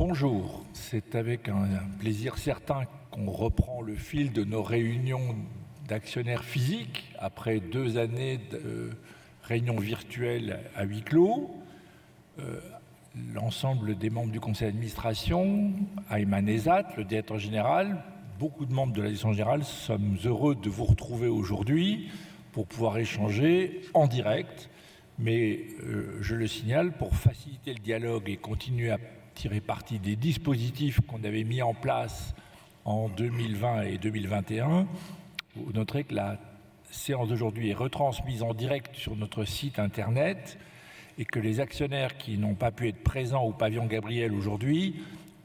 Bonjour, c'est avec un plaisir certain qu'on reprend le fil de nos réunions d'actionnaires physiques après 2 années de réunions virtuelles à huis clos. L'ensemble des membres du conseil d'administration, Aiman Ezzat, le directeur général, beaucoup de membres de la direction générale sommes heureux de vous retrouver aujourd'hui pour pouvoir échanger en direct. Je le signale, pour faciliter le dialogue et continuer à tirer parti des dispositifs qu'on avait mis en place en 2020 et 2021, vous noterez que la séance d'aujourd'hui est retransmise en direct sur notre site Internet et que les actionnaires qui n'ont pas pu être présents au Pavillon Gabriel aujourd'hui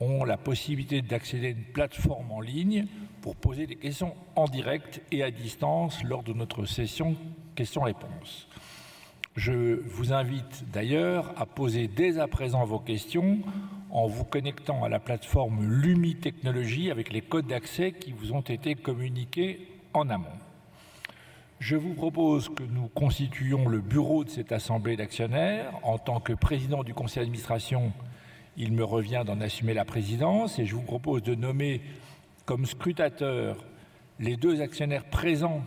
ont la possibilité d'accéder à une plateforme en ligne pour poser des questions en direct et à distance lors de notre session questions-réponses. Je vous invite d'ailleurs à poser dès à présent vos questions en vous connectant à la plateforme Lumi Technology avec les codes d'accès qui vous ont été communiqués en amont. Je vous propose que nous constituions le bureau de cette assemblée d'actionnaires. En tant que président du conseil d'administration, il me revient d'en assumer la présidence et je vous propose de nommer comme scrutateurs les deux actionnaires présents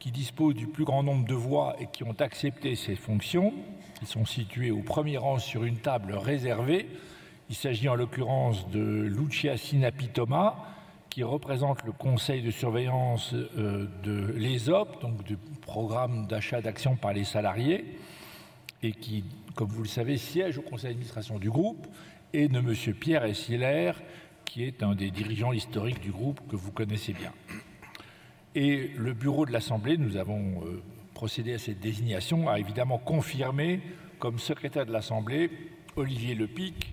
qui disposent du plus grand nombre de voix et qui ont accepté ces fonctions. Ils sont situés au premier rang sur une table réservée. Il s'agit en l'occurrence de Lucia Sinapi-Thomas, qui représente le conseil de surveillance de l'ESOP, donc du programme d'achat d'actions par les salariés, et qui, comme vous le savez, siège au conseil d'administration du groupe, et de monsieur Pierre Hessler, qui est un des dirigeants historiques du groupe que vous connaissez bien. Le bureau de l'Assemblée, nous avons procédé à cette désignation, a évidemment confirmé comme secrétaire de l'Assemblée Olivier Lepick,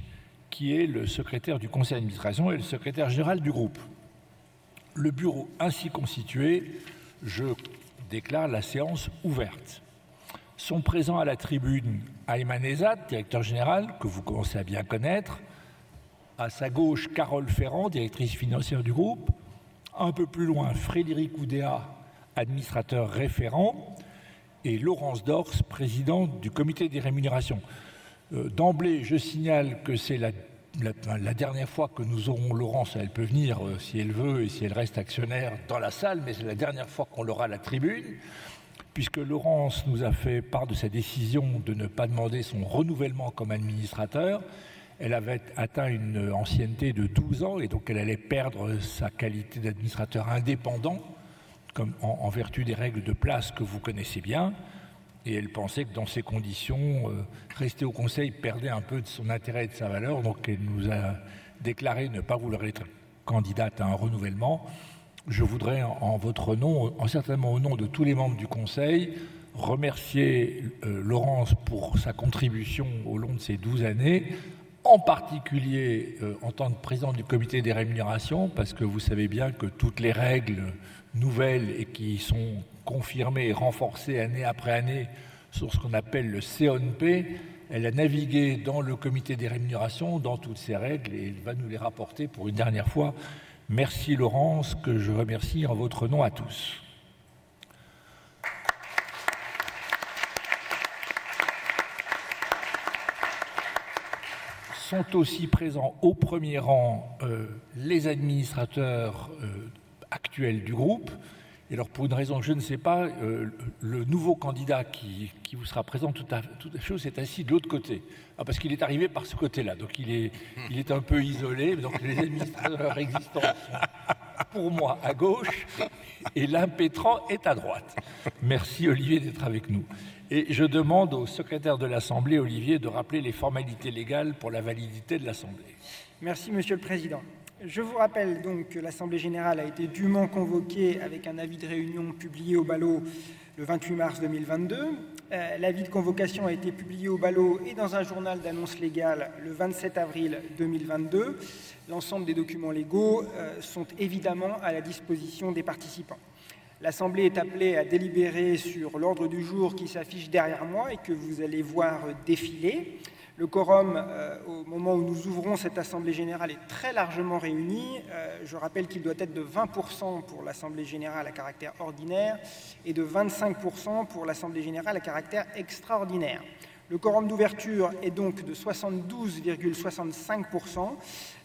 qui est le secrétaire du conseil d'administration et le secrétaire général du groupe. Le bureau ainsi constitué, je déclare la séance ouverte. Sont présents à la tribune Aiman Ezzat, Directeur général, que vous commencez à bien connaître. À sa gauche, Carole Ferrand, Directrice financière du groupe. Un peu plus loin, Frédéric Oudéa, Administrateur référent, et Laurence Dors, Présidente du comité des rémunérations. D'emblée, je signale que c'est la dernière fois que nous aurons Laurence. Elle peut venir si elle veut et si elle reste actionnaire dans la salle, mais c'est la dernière fois qu'on l'aura à la tribune, puisque Laurence nous a fait part de sa décision de ne pas demander son renouvellement comme administrateur. Elle avait atteint une ancienneté de 12 ans et donc elle allait perdre sa qualité d'administrateur indépendant, comme en vertu des règles de place que vous connaissez bien. Elle pensait que dans ces conditions, rester au conseil perdait un peu de son intérêt et de sa valeur. Elle nous a déclaré ne pas vouloir être candidate à un renouvellement. Je voudrais, en votre nom, et certainement au nom de tous les membres du Conseil, remercier Laurence pour sa contribution tout au long de ces 12 années, en particulier en tant que président du Comité des rémunérations, parce que vous savez bien que toutes les règles nouvelles et qui sont confirmées et renforcées année après année sur ce qu'on appelle le C&P, elle a navigué dans le Comité des rémunérations, dans toutes ces règles, et elle va nous les rapporter pour une dernière fois. Merci Laurence, que je remercie en votre nom à tous. Sont aussi présents au premier rang les administrateurs actuels du groupe. Alors pour une raison que je ne sais pas, le nouveau candidat qui vous sera présenté tout à l'heure s'est assis de l'autre côté. Parce qu'il est arrivé par ce côté-là. Donc il est un peu isolé. Donc les administrateurs existants sont pour moi à gauche et l'imprétrant est à droite. Merci Olivier d'être avec nous. Je demande au secrétaire de l'Assemblée, Olivier, de rappeler les formalités légales pour la validité de l'Assemblée. Merci Monsieur le Président. Je vous rappelle donc que l'Assemblée générale a été dûment convoquée avec un avis de réunion publié au BALO le 28 mars 2022. L'avis de convocation a été publié au BALO et dans un journal d'annonces légales le 27 avril 2022. L'ensemble des documents légaux sont évidemment à la disposition des participants. L'Assemblée est appelée à délibérer sur l'ordre du jour qui s'affiche derrière moi et que vous allez voir défiler. Le quorum au moment où nous ouvrons cette assemblée générale est très largement réuni. Je rappelle qu'il doit être de 20% pour l'assemblée générale à caractère ordinaire et de 25% pour l'assemblée générale à caractère extraordinaire. Le quorum d'ouverture est donc de 72.65%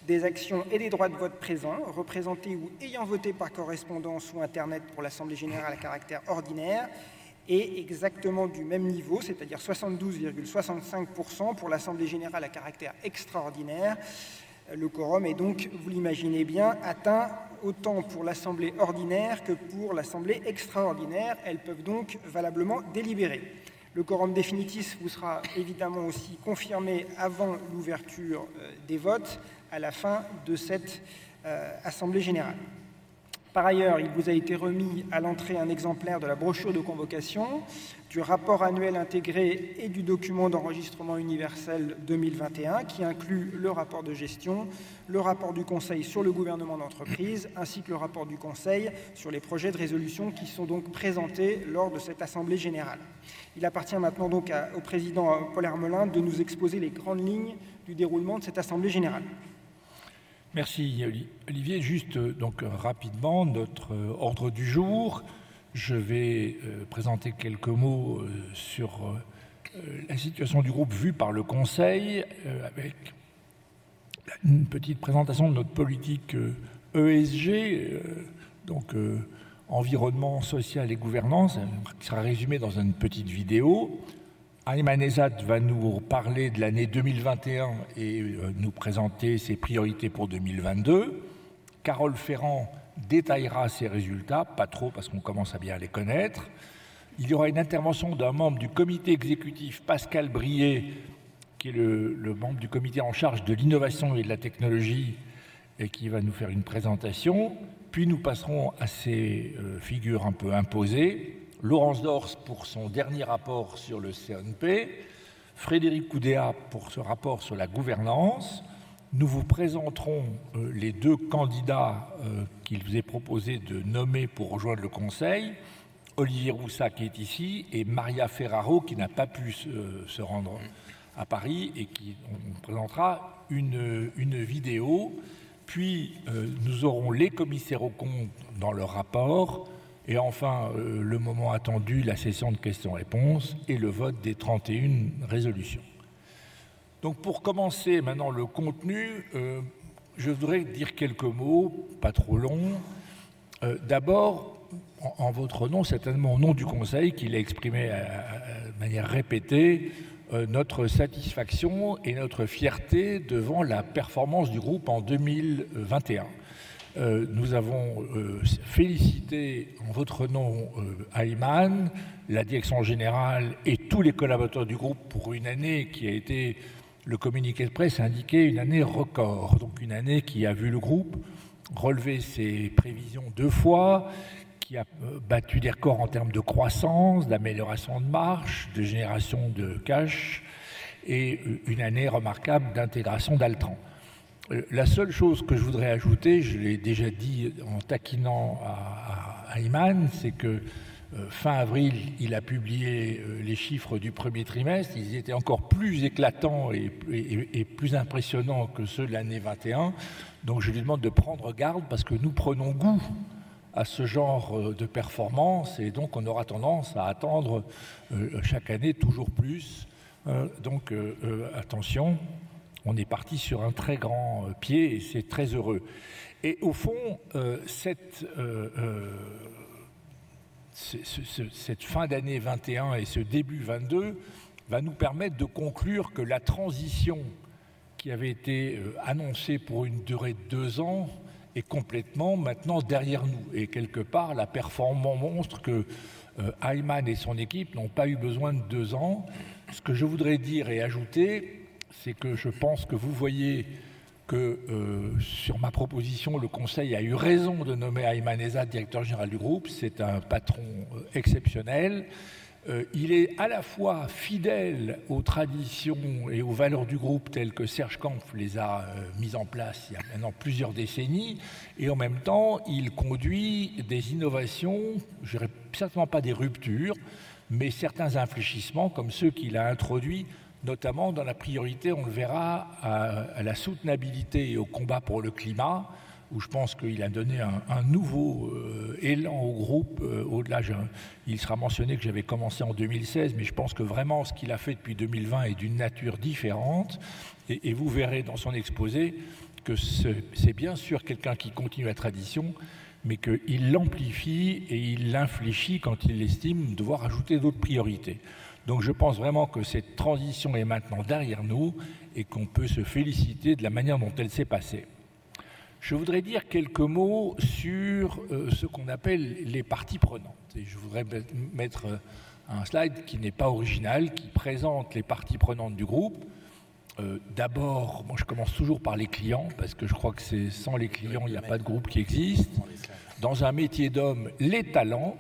des actions et des droits de vote présents, représentés ou ayant voté par correspondance ou Internet pour l'assemblée générale à caractère ordinaire et exactement du même niveau, c'est-à-dire 72.65% pour l'assemblée générale à caractère extraordinaire. Le quorum est donc, vous l'imaginez bien, atteint autant pour l'assemblée ordinaire que pour l'assemblée extraordinaire. Elles peuvent donc valablement délibérer. Le quorum définitif vous sera évidemment aussi confirmé avant l'ouverture des votes à la fin de cette assemblée générale. Par ailleurs, il vous a été remis à l'entrée un exemplaire de la brochure de convocation, du rapport annuel intégré et du document d'enregistrement universel 2021 qui inclut le rapport de gestion, le rapport du Conseil sur le gouvernement d'entreprise ainsi que le rapport du Conseil sur les projets de résolution qui sont donc présentés lors de cette assemblée générale. Il appartient maintenant donc au président Paul Hermelin de nous exposer les grandes lignes du déroulement de cette assemblée générale. Merci Olivier. Juste donc rapidement notre ordre du jour. Je vais présenter quelques mots sur la situation du groupe vue par le conseil avec une petite présentation de notre politique ESG, donc environnement social et gouvernance, qui sera résumée dans une petite vidéo. Aiman Ezzat va nous parler de l'année 2021 et nous présenter ses priorités pour 2022. Carole Ferrand détaillera ses résultats, pas trop parce qu'on commence à bien les connaître. Il y aura une intervention d'un membre du comité exécutif, Pascal Brier, qui est le membre du comité en charge de l'innovation et de la technologie et qui va nous faire une présentation. Puis nous passerons à ces figures un peu imposées. Laurence Dors pour son dernier rapport sur le CNP, Frédéric Oudéa pour ce rapport sur la gouvernance. Nous vous présenterons les deux candidats qu'il vous est proposé de nommer pour rejoindre le Conseil, Olivier Roussat qui est ici et Maria Ferraro qui n'a pas pu se rendre à Paris et qui présentera une vidéo. Puis nous aurons les commissaires aux comptes dans leur rapport et enfin le moment attendu, la session de questions-réponses et le vote des 31 résolutions. Donc pour commencer maintenant le contenu, je voudrais dire quelques mots, pas trop longs. D'abord en votre nom, certainement au nom du conseil qui l'a exprimé de manière répétée, notre satisfaction et notre fierté devant la performance du groupe en 2021. Nous avons félicité en votre nom Aiman, la direction générale et tous les collaborateurs du groupe pour une année qui a été, le communiqué de presse a indiqué, une année record. Une année qui a vu le groupe relever ses prévisions deux fois, qui a battu des records en termes de croissance, d'amélioration de marge, de génération de cash et une année remarquable d'intégration d'Altran. La seule chose que je voudrais ajouter, je l'ai déjà dit en taquinant Aiman, c'est que fin avril, il a publié les chiffres du premier trimestre. Ils étaient encore plus éclatants et plus impressionnants que ceux de l'année 2021. Je lui demande de prendre garde parce que nous prenons goût à ce genre de performance et on aura tendance à attendre chaque année toujours plus. Attention, on est parti sur un très grand pied et c'est très heureux. Au fond, cette fin d'année 2021 et ce début 2022 va nous permettre de conclure que la transition qui avait été annoncée pour une durée de deux ans est complètement maintenant derrière nous. Quelque part, la performance montre qu'Aiman et son équipe n'ont pas eu besoin de deux ans. Ce que je voudrais dire et ajouter, c'est que je pense que vous voyez que sur ma proposition, le conseil a eu raison de nommer Aiman Ezzat Directeur Général du groupe. C'est un patron exceptionnel. Il est à la fois fidèle aux traditions et aux valeurs du groupe telles que Serge Kampf les a mises en place il y a maintenant plusieurs décennies et en même temps, il conduit des innovations, je dirais certainement pas des ruptures, mais certains infléchissements comme ceux qu'il a introduits, notamment dans la priorité, on le verra, à la soutenabilité et au combat pour le climat, où je pense qu'il a donné un nouveau élan au groupe au-delà. Il sera mentionné que j'avais commencé en 2016, mais je pense que vraiment ce qu'il a fait depuis 2020 est d'une nature différente. Vous verrez dans son exposé que c'est bien sûr quelqu'un qui continue la tradition, mais qu'il l'amplifie et il l'infléchit quand il estime devoir ajouter d'autres priorités. Je pense vraiment que cette transition est maintenant derrière nous et qu'on peut se féliciter de la manière dont elle s'est passée. Je voudrais dire quelques mots sur ce qu'on appelle les parties prenantes. Je voudrais mettre un slide qui n'est pas original, qui présente les parties prenantes du groupe. D'abord, moi, je commence toujours par les clients parce que je crois que c'est sans les clients, il n'y a pas de groupe qui existe. Dans un métier d'homme, les talents,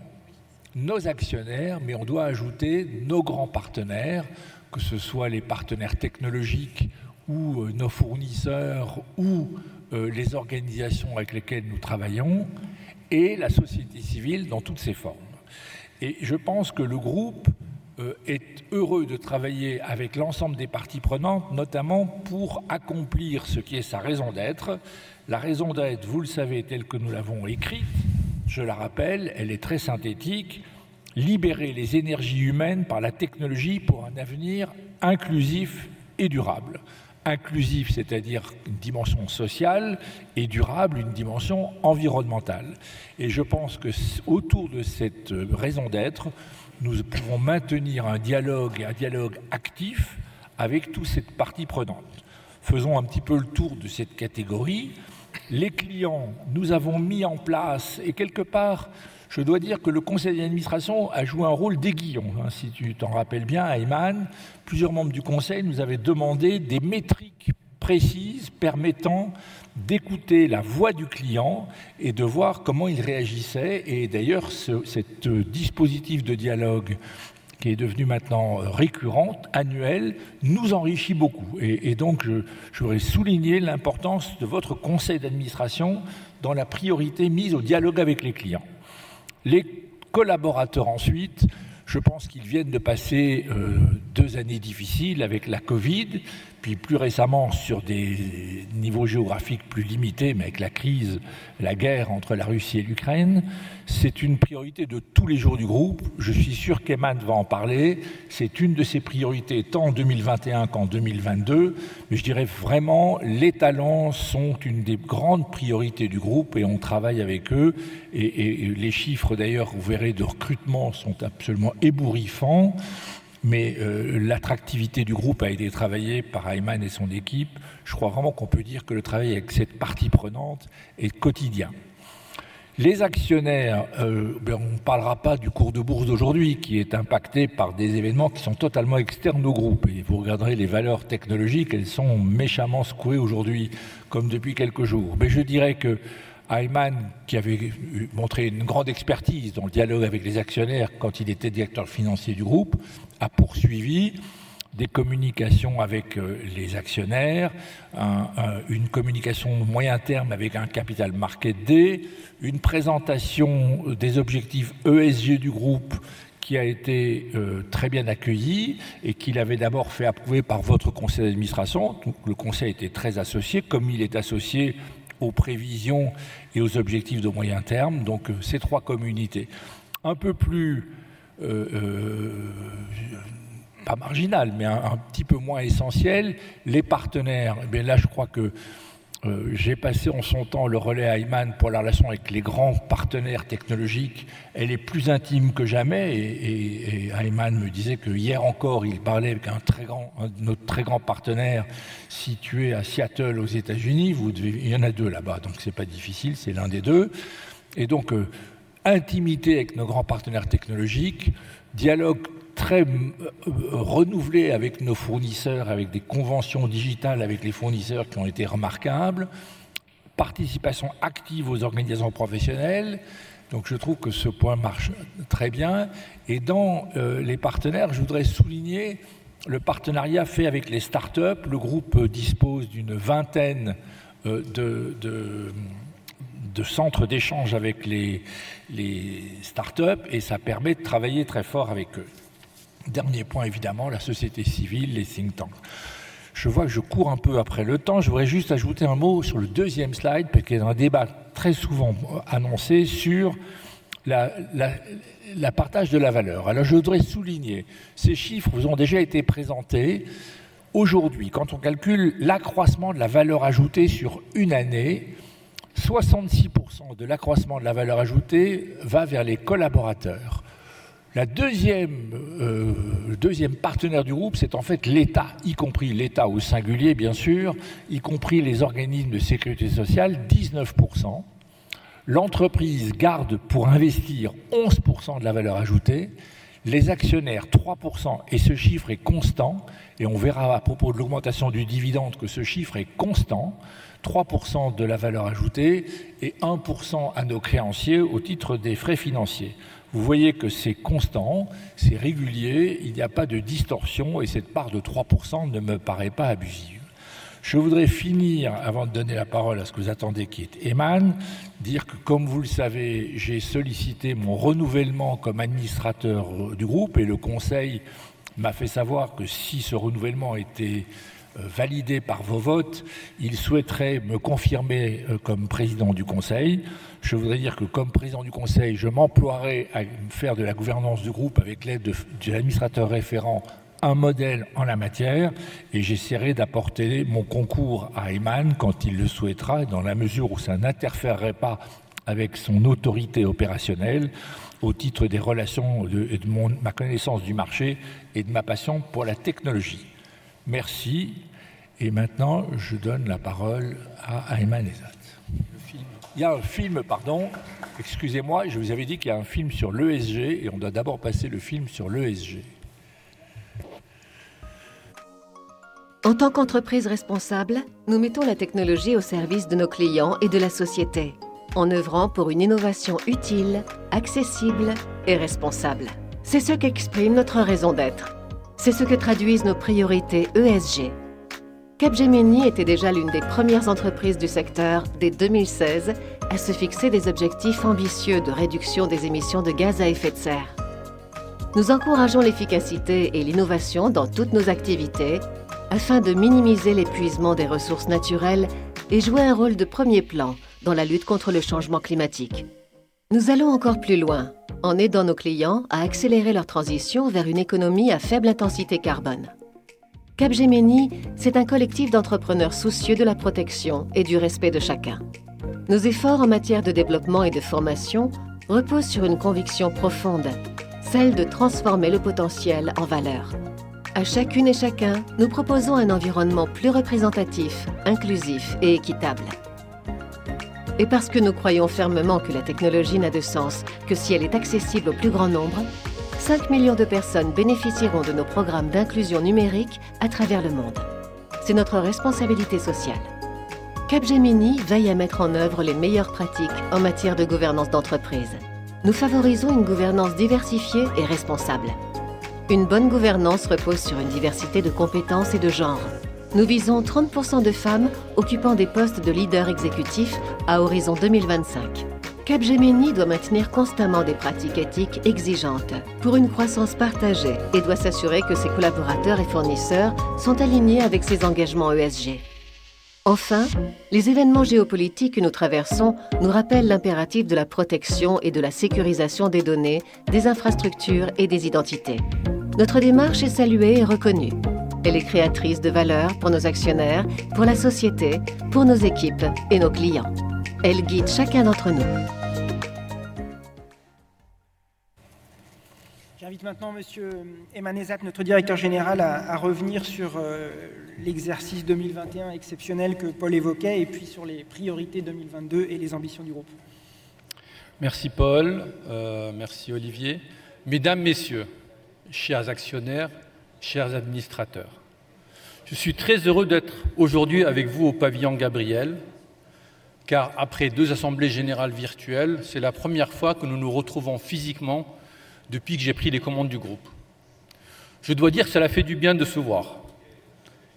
nos actionnaires, mais on doit ajouter nos grands partenaires, que ce soit les partenaires technologiques ou nos fournisseurs ou les organisations avec lesquelles nous travaillons et la société civile dans toutes ses formes. Je pense que le groupe est heureux de travailler avec l'ensemble des parties prenantes, notamment pour accomplir ce qui est sa raison d'être. La raison d'être, vous le savez, telle que nous l'avons écrit, je la rappelle, elle est très synthétique libérer les énergies humaines par la technologie pour un avenir inclusif et durable. Inclusif, c'est-à-dire une dimension sociale et durable, une dimension environnementale. Je pense que autour de cette raison d'être, nous pouvons maintenir un dialogue et un dialogue actif avec toute cette partie prenante. Faisons un petit peu le tour de cette catégorie. Les clients, nous avons mis en place et quelque part, je dois dire que le conseil d'administration a joué un rôle d'aiguillon. Si tu t'en rappelles bien, Aiman, plusieurs membres du conseil nous avaient demandé des métriques précises permettant d'écouter la voix du client et de voir comment il réagissait. D'ailleurs, cette dispositif de dialogue qui est devenu maintenant récurrent, annuel, nous enrichit beaucoup. Je voudrais souligner l'importance de votre conseil d'administration dans la priorité mise au dialogue avec les clients. Les collaborateurs ensuite, je pense qu'ils viennent de passer deux années difficiles avec la COVID, puis plus récemment sur des niveaux géographiques plus limités, mais avec la crise, la guerre entre la Russie et l'Ukraine. C'est une priorité de tous les jours du groupe. Je suis sûr qu'Aiman va en parler. C'est une de ses priorités, tant en 2021 qu'en 2022. Mais je dirais vraiment, les talents sont une des grandes priorités du groupe et on travaille avec eux. Les chiffres d'ailleurs, vous verrez, de recrutement sont absolument ébouriffants. Mais l'attractivité du groupe a été travaillée par Aiman et son équipe. Je crois vraiment qu'on peut dire que le travail avec cette partie prenante est quotidien. Les actionnaires, on ne parlera pas du cours de bourse d'aujourd'hui qui est impacté par des événements qui sont totalement externes au groupe. Vous regarderez les valeurs technologiques, elles sont méchamment secouées aujourd'hui comme depuis quelques jours. Je dirais qu'Aiman, qui avait montré une grande expertise dans le dialogue avec les actionnaires quand il était directeur financier du groupe, a poursuivi des communications avec les actionnaires, une communication moyen terme avec un Capital Markets Day, une présentation des objectifs ESG du groupe qui a été très bien accueillie et qu'il avait d'abord fait approuver par votre conseil d'administration. Le conseil était très associé, comme il est associé aux prévisions et aux objectifs de moyen terme. Ces trois communautés. Un peu plus, pas marginales, mais un petit peu moins essentielles, les partenaires. Là, je crois que j'ai passé en son temps le relais à Aiman pour la relation avec les grands partenaires technologiques. Elle est plus intime que jamais. Aiman me disait qu'hier encore, il parlait avec un très grand, notre très grand partenaire situé à Seattle, aux États-Unis. Vous savez, il y en a deux là-bas, donc ce n'est pas difficile, c'est l'un des deux. Intimité avec nos grands partenaires technologiques, dialogue très renouvelé avec nos fournisseurs, avec des connexions digitales avec les fournisseurs qui ont été remarquables, participation active aux organisations professionnelles. Je trouve que ce point marche très bien. Dans les partenaires, je voudrais souligner le partenariat fait avec les startups. Le groupe dispose de 20 centres d'échange avec les startups et ça permet de travailler très fort avec eux. Dernier point, évidemment, la société civile, les think tanks. Je vois que je cours un peu après le temps. Je voudrais juste ajouter un mot sur le deuxième slide, parce qu'il y a un débat très souvent annoncé sur le partage de la valeur. Je voudrais souligner, ces chiffres vous ont déjà été présentés. Aujourd'hui, quand on calcule l'accroissement de la valeur ajoutée sur une année, 66% de l'accroissement de la valeur ajoutée va vers les collaborateurs. Le deuxième partenaire du groupe, c'est en fait l'État, y compris l'État au singulier bien sûr, y compris les organismes de sécurité sociale, 19%. L'entreprise garde pour investir 11% de la valeur ajoutée, les actionnaires 3% et ce chiffre est constant. On verra à propos de l'augmentation du dividende que ce chiffre est constant. 3% de la valeur ajoutée et 1% à nos créanciers au titre des frais financiers. Vous voyez que c'est constant, c'est régulier, il n'y a pas de distorsion et cette part de 3% ne me paraît pas abusive. Je voudrais finir, avant de donner la parole à ce que vous attendez qui est Aiman, dire que comme vous le savez, j'ai sollicité mon renouvellement comme administrateur du groupe et le conseil m'a fait savoir que si ce renouvellement était validé par vos votes, il souhaiterait me confirmer comme président du conseil. Je voudrais dire que comme président du conseil, je m'emploierai à faire de la gouvernance du groupe avec l'aide de l'administrateur référent un modèle en la matière et j'essaierai d'apporter mon concours à Aiman quand il le souhaitera, dans la mesure où ça n'interférerait pas avec son autorité opérationnelle, au titre des relations et de ma connaissance du marché et de ma passion pour la technologie. Merci. Maintenant, je donne la parole à Aiman Ezzat. Il y a un film, pardon, excusez-moi. Je vous avais dit qu'il y a un film sur l'ESG et on doit d'abord passer le film sur l'ESG. En tant qu'entreprise responsable, nous mettons la technologie au service de nos clients et de la société en œuvrant pour une innovation utile, accessible et responsable. C'est ce qu'exprime notre raison d'être. C'est ce que traduisent nos priorités ESG. Capgemini était déjà l'une des premières entreprises du secteur, dès 2016, à se fixer des objectifs ambitieux de réduction des émissions de gaz à effet de serre. Nous encourageons l'efficacité et l'innovation dans toutes nos activités afin de minimiser l'épuisement des ressources naturelles et jouer un rôle de premier plan dans la lutte contre le changement climatique. Nous allons encore plus loin en aidant nos clients à accélérer leur transition vers une économie à faible intensité carbone. Capgemini, c'est un collectif d'entrepreneurs soucieux de la protection et du respect de chacun. Nos efforts en matière de développement et de formation reposent sur une conviction profonde, celle de transformer le potentiel en valeurs. À chacune et chacun, nous proposons un environnement plus représentatif, inclusif et équitable. Parce que nous croyons fermement que la technologie n'a de sens que si elle est accessible au plus grand nombre, 5 million de personnes bénéficieront de nos programmes d'inclusion numérique à travers le monde. C'est notre responsabilité sociale. Capgemini veille à mettre en œuvre les meilleures pratiques en matière de gouvernance d'entreprise. Nous favorisons une gouvernance diversifiée et responsable. Une bonne gouvernance repose sur une diversité de compétences et de genres. Nous visons 30% de femmes occupant des postes de leaders exécutifs à horizon 2025. Capgemini doit maintenir constamment des pratiques éthiques exigeantes pour une croissance partagée et doit s'assurer que ses collaborateurs et fournisseurs sont alignés avec ses engagements ESG. Enfin, les événements géopolitiques que nous traversons nous rappellent l'impératif de la protection et de la sécurisation des données, des infrastructures et des identités. Notre démarche est saluée et reconnue. Elle est créatrice de valeurs pour nos actionnaires, pour la société, pour nos équipes et nos clients. Elle guide chacun d'entre nous. J'invite maintenant Monsieur Aiman Ezzat, notre directeur général, à revenir sur l'exercice 2021 exceptionnel que Paul évoquait et puis sur les priorités 2022 et les ambitions du groupe. Merci Paul. Merci Olivier. Mesdames, Messieurs, chers actionnaires, chers administrateurs. Je suis très heureux d'être aujourd'hui avec vous au Pavillon Gabriel, car après 2 assemblées générales virtuelles, c'est la première fois que nous nous retrouvons physiquement depuis que j'ai pris les commandes du groupe. Je dois dire que ça a fait du bien de se voir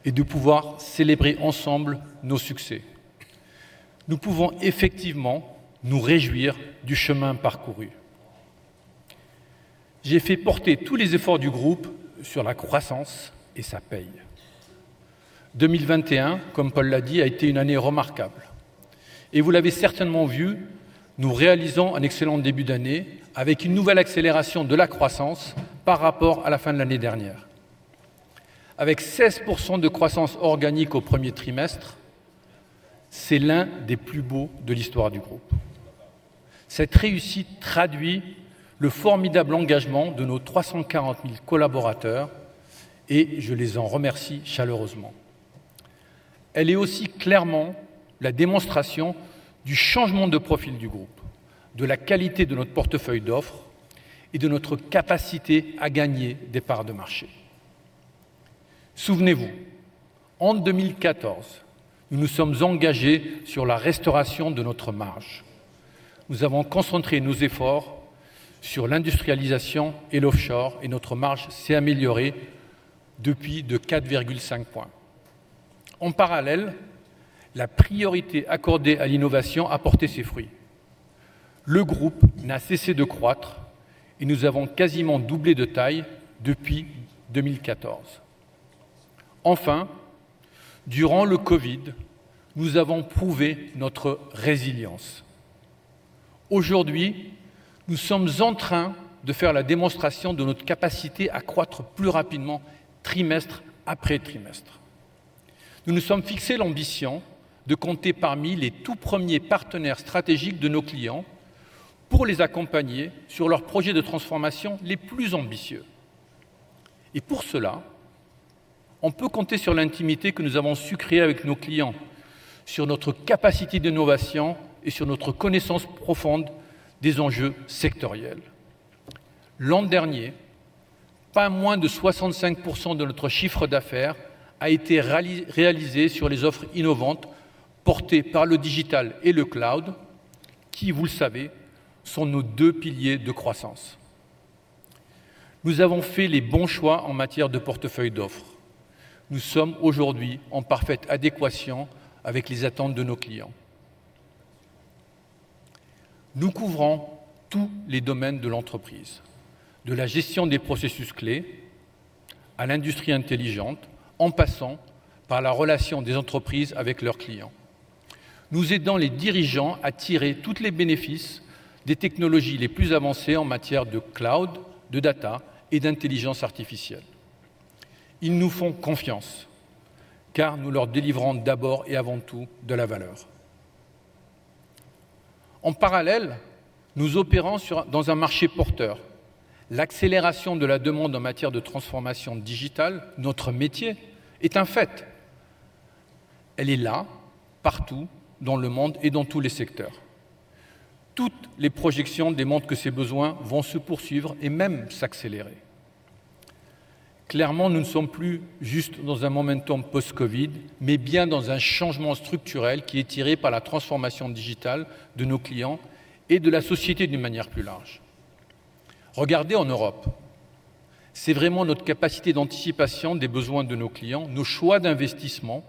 et de pouvoir célébrer ensemble nos succès. Nous pouvons effectivement nous réjouir du chemin parcouru. J'ai fait porter tous les efforts du groupe sur la croissance et ça paye. 2021, comme Paul l'a dit, a été une année remarquable. Vous l'avez certainement vu, nous réalisons un excellent début d'année avec une nouvelle accélération de la croissance par rapport à la fin de l'année dernière. Avec 16% de croissance organique au premier trimestre, c'est l'un des plus beaux de l'histoire du groupe. Cette réussite traduit le formidable engagement de nos 340,000 collaborateurs et je les en remercie chaleureusement. Elle est aussi clairement la démonstration du changement de profil du groupe, de la qualité de notre portefeuille d'offres et de notre capacité à gagner des parts de marché. Souvenez-vous, en 2014, nous nous sommes engagés sur la restauration de notre marge. Nous avons concentré nos efforts sur l'industrialisation et l'offshore et notre marge s'est améliorée de 4.5 points. En parallèle, la priorité accordée à l'innovation a porté ses fruits. Le groupe n'a cessé de croître et nous avons quasiment doublé de taille depuis 2014. Enfin, durant le COVID-19, nous avons prouvé notre résilience. Aujourd'hui, nous sommes en train de faire la démonstration de notre capacité à croître plus rapidement trimestre après trimestre. Nous nous sommes fixés l'ambition de compter parmi les tout premiers partenaires stratégiques de nos clients pour les accompagner sur leurs projets de transformation les plus ambitieux. Pour cela, on peut compter sur l'intimité que nous avons su créer avec nos clients, sur notre capacité d'innovation et sur notre connaissance profonde des enjeux sectoriels. L'an dernier, pas moins de 65% de notre chiffre d'affaires a été réalisé sur les offres innovantes portées par le digital et le cloud qui, vous le savez, sont nos deux piliers de croissance. Nous avons fait les bons choix en matière de portefeuille d'offres. Nous sommes aujourd'hui en parfaite adéquation avec les attentes de nos clients. Nous couvrons tous les domaines de l'entreprise, de la gestion des processus clés à l'industrie intelligente en passant par la relation des entreprises avec leurs clients, en aidant les dirigeants à tirer tous les bénéfices des technologies les plus avancées en matière de cloud, de data et d'intelligence artificielle. Ils nous font confiance, car nous leur délivrons d'abord et avant tout de la valeur. En parallèle, nous opérons dans un marché porteur. L'accélération de la demande en matière de transformation digitale, notre métier, est un fait. Elle est là, partout dans le monde et dans tous les secteurs. Toutes les projections démontrent que ces besoins vont se poursuivre et même s'accélérer. Clairement, nous ne sommes plus juste dans un momentum post-COVID, mais bien dans un changement structurel qui est tiré par la transformation digitale de nos clients et de la société d'une manière plus large. Regardez en Europe, c'est vraiment notre capacité d'anticipation des besoins de nos clients, nos choix d'investissement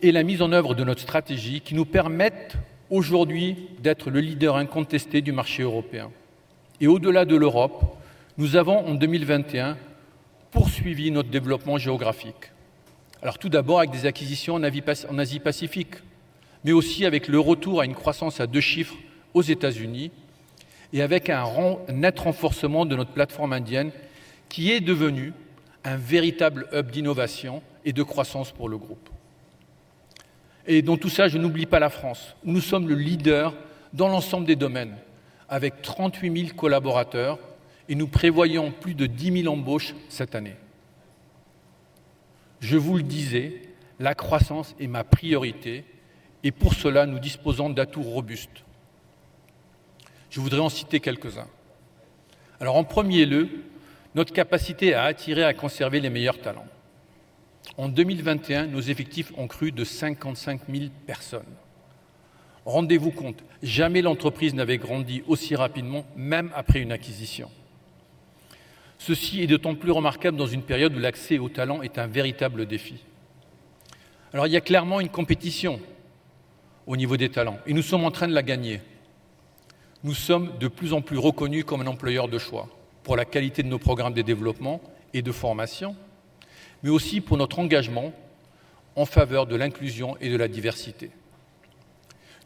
et la mise en œuvre de notre stratégie qui nous permettent aujourd'hui d'être le leader incontesté du marché européen. Au-delà de l'Europe, nous avons en 2021 poursuivi notre développement géographique. Tout d'abord avec des acquisitions en Asie-Pacifique, mais aussi avec le retour à une croissance à 2 chiffres aux États-Unis et avec un net renforcement de notre plateforme indienne qui est devenue un véritable hub d'innovation et de croissance pour le groupe. Dans tout ça, je n'oublie pas la France, où nous sommes le leader dans l'ensemble des domaines avec 38,000 collaborateurs et nous prévoyons plus de 10,000 embauches cette année. Je vous le disais, la croissance est ma priorité et pour cela, nous disposons d'atouts robustes. Je voudrais en citer quelques-uns. En premier lieu, notre capacité à attirer et à conserver les meilleurs talents. En 2021, nos effectifs ont crû de 55,000 personnes. Rendez-vous compte, jamais l'entreprise n'avait grandi aussi rapidement, même après une acquisition. Ceci est d'autant plus remarquable dans une période où l'accès aux talents est un véritable défi. Il y a clairement une compétition au niveau des talents et nous sommes en train de la gagner. Nous sommes de plus en plus reconnus comme un employeur de choix pour la qualité de nos programmes de développement et de formation, mais aussi pour notre engagement en faveur de l'inclusion et de la diversité.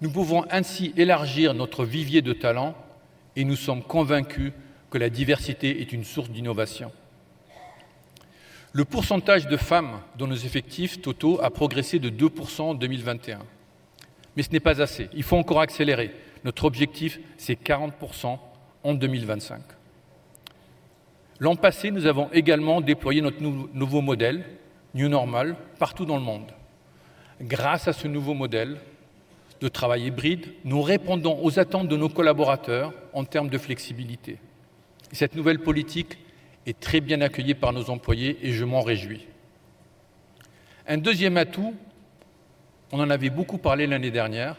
Nous pouvons ainsi élargir notre vivier de talents et nous sommes convaincus que la diversité est une source d'innovation. Le pourcentage de femmes dans nos effectifs totaux a progressé de 2% en 2021. Ce n'est pas assez, il faut encore accélérer. Notre objectif, c'est 40% en 2025. L'an passé, nous avons également déployé notre nouveau modèle, New Normal, partout dans le monde. Grâce à ce nouveau modèle de travail hybride, nous répondons aux attentes de nos collaborateurs en termes de flexibilité. Cette nouvelle politique est très bien accueillie par nos employés et je m'en réjouis. Un deuxième atout, on en avait beaucoup parlé l'année dernière,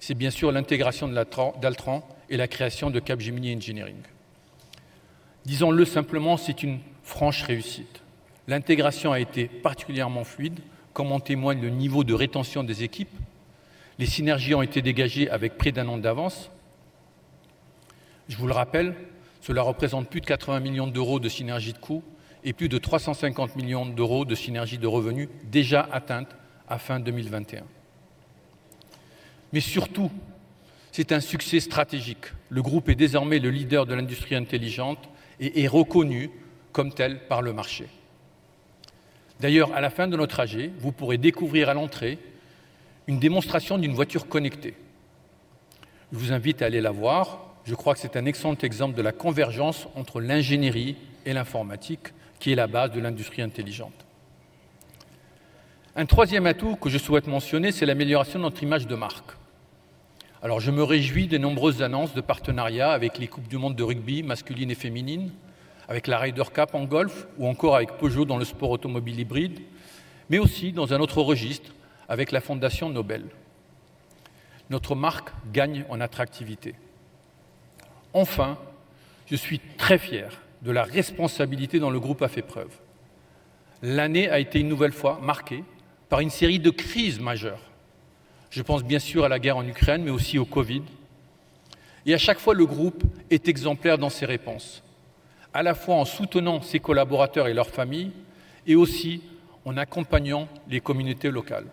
c'est bien sûr l'intégration d'Altran et la création de Capgemini Engineering. Disons-le simplement, c'est une franche réussite. L'intégration a été particulièrement fluide, comme en témoigne le niveau de rétention des équipes. Les synergies ont été dégagées avec près d'un an d'avance. Je vous le rappelle, cela représente plus de 80 millions d'euros de synergies de coûts et plus de 350 millions d'euros de synergies de revenus déjà atteintes à fin 2021. Surtout, c'est un succès stratégique. Le groupe est désormais le leader de l'industrie intelligente et est reconnu comme tel par le marché. D'ailleurs, à la fin de notre trajet, vous pourrez découvrir à l'entrée une démonstration d'une voiture connectée. Je vous invite à aller la voir. Je crois que c'est un excellent exemple de la convergence entre l'ingénierie et l'informatique, qui est la base de l'industrie intelligente. Un troisième atout que je souhaite mentionner, c'est l'amélioration de notre image de marque. Je me réjouis des nombreuses annonces de partenariats avec les coupes du monde de rugby masculine et féminine, avec la Ryder Cup en golf ou encore avec Peugeot dans le sport automobile hybride, mais aussi dans un autre registre, avec la Nobel Foundation. Notre marque gagne en attractivité. Enfin, je suis très fier de la responsabilité dont le groupe a fait preuve. L'année a été une nouvelle fois marquée par une série de crises majeures. Je pense bien sûr à la guerre en Ukraine, mais aussi au COVID. Et à chaque fois, le groupe est exemplaire dans ses réponses, à la fois en soutenant ses collaborateurs et leurs familles et aussi en accompagnant les communautés locales.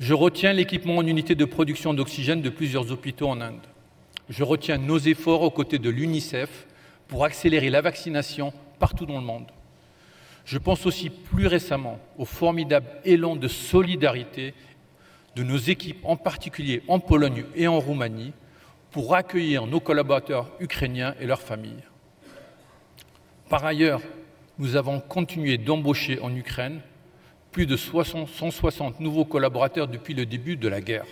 Je retiens l'équipement en unités de production d'oxygène de plusieurs hôpitaux en Inde. Je retiens nos efforts aux côtés de l'UNICEF pour accélérer la vaccination partout dans le monde. Je pense aussi plus récemment au formidable élan de solidarité de nos équipes, en particulier en Pologne et en Roumanie, pour accueillir nos collaborateurs ukrainiens et leurs familles. Par ailleurs, nous avons continué d'embaucher en Ukraine plus de 160 nouveaux collaborateurs depuis le début de la guerre.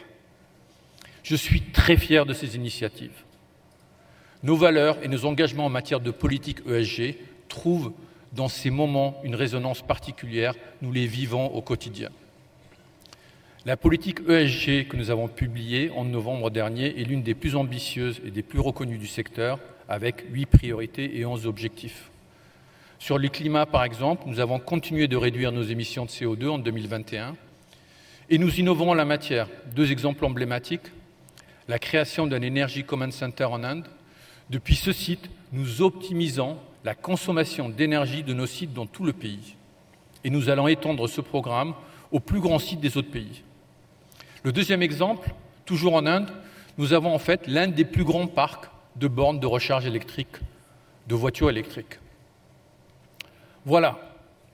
Je suis très fier de ces initiatives. Nos valeurs et nos engagements en matière de politique ESG trouvent dans ces moments une résonance particulière. Nous les vivons au quotidien. La politique ESG, que nous avons publiée en novembre dernier, est l'une des plus ambitieuses et des plus reconnues du secteur, avec 8 priorités et 11 objectifs. Sur le climat, par exemple, nous avons continué de réduire nos émissions de CO2 en 2021 et nous innovons en la matière. Deux exemples emblématiques : la création d'un Energy Command Center en Inde. Depuis ce site, nous optimisons la consommation d'énergie de nos sites dans tout le pays et nous allons étendre ce programme aux plus grands sites des autres pays. Le deuxième exemple, toujours en Inde, nous avons en fait l'un des plus grands parcs de bornes de recharge électrique, de voitures électriques. Voilà,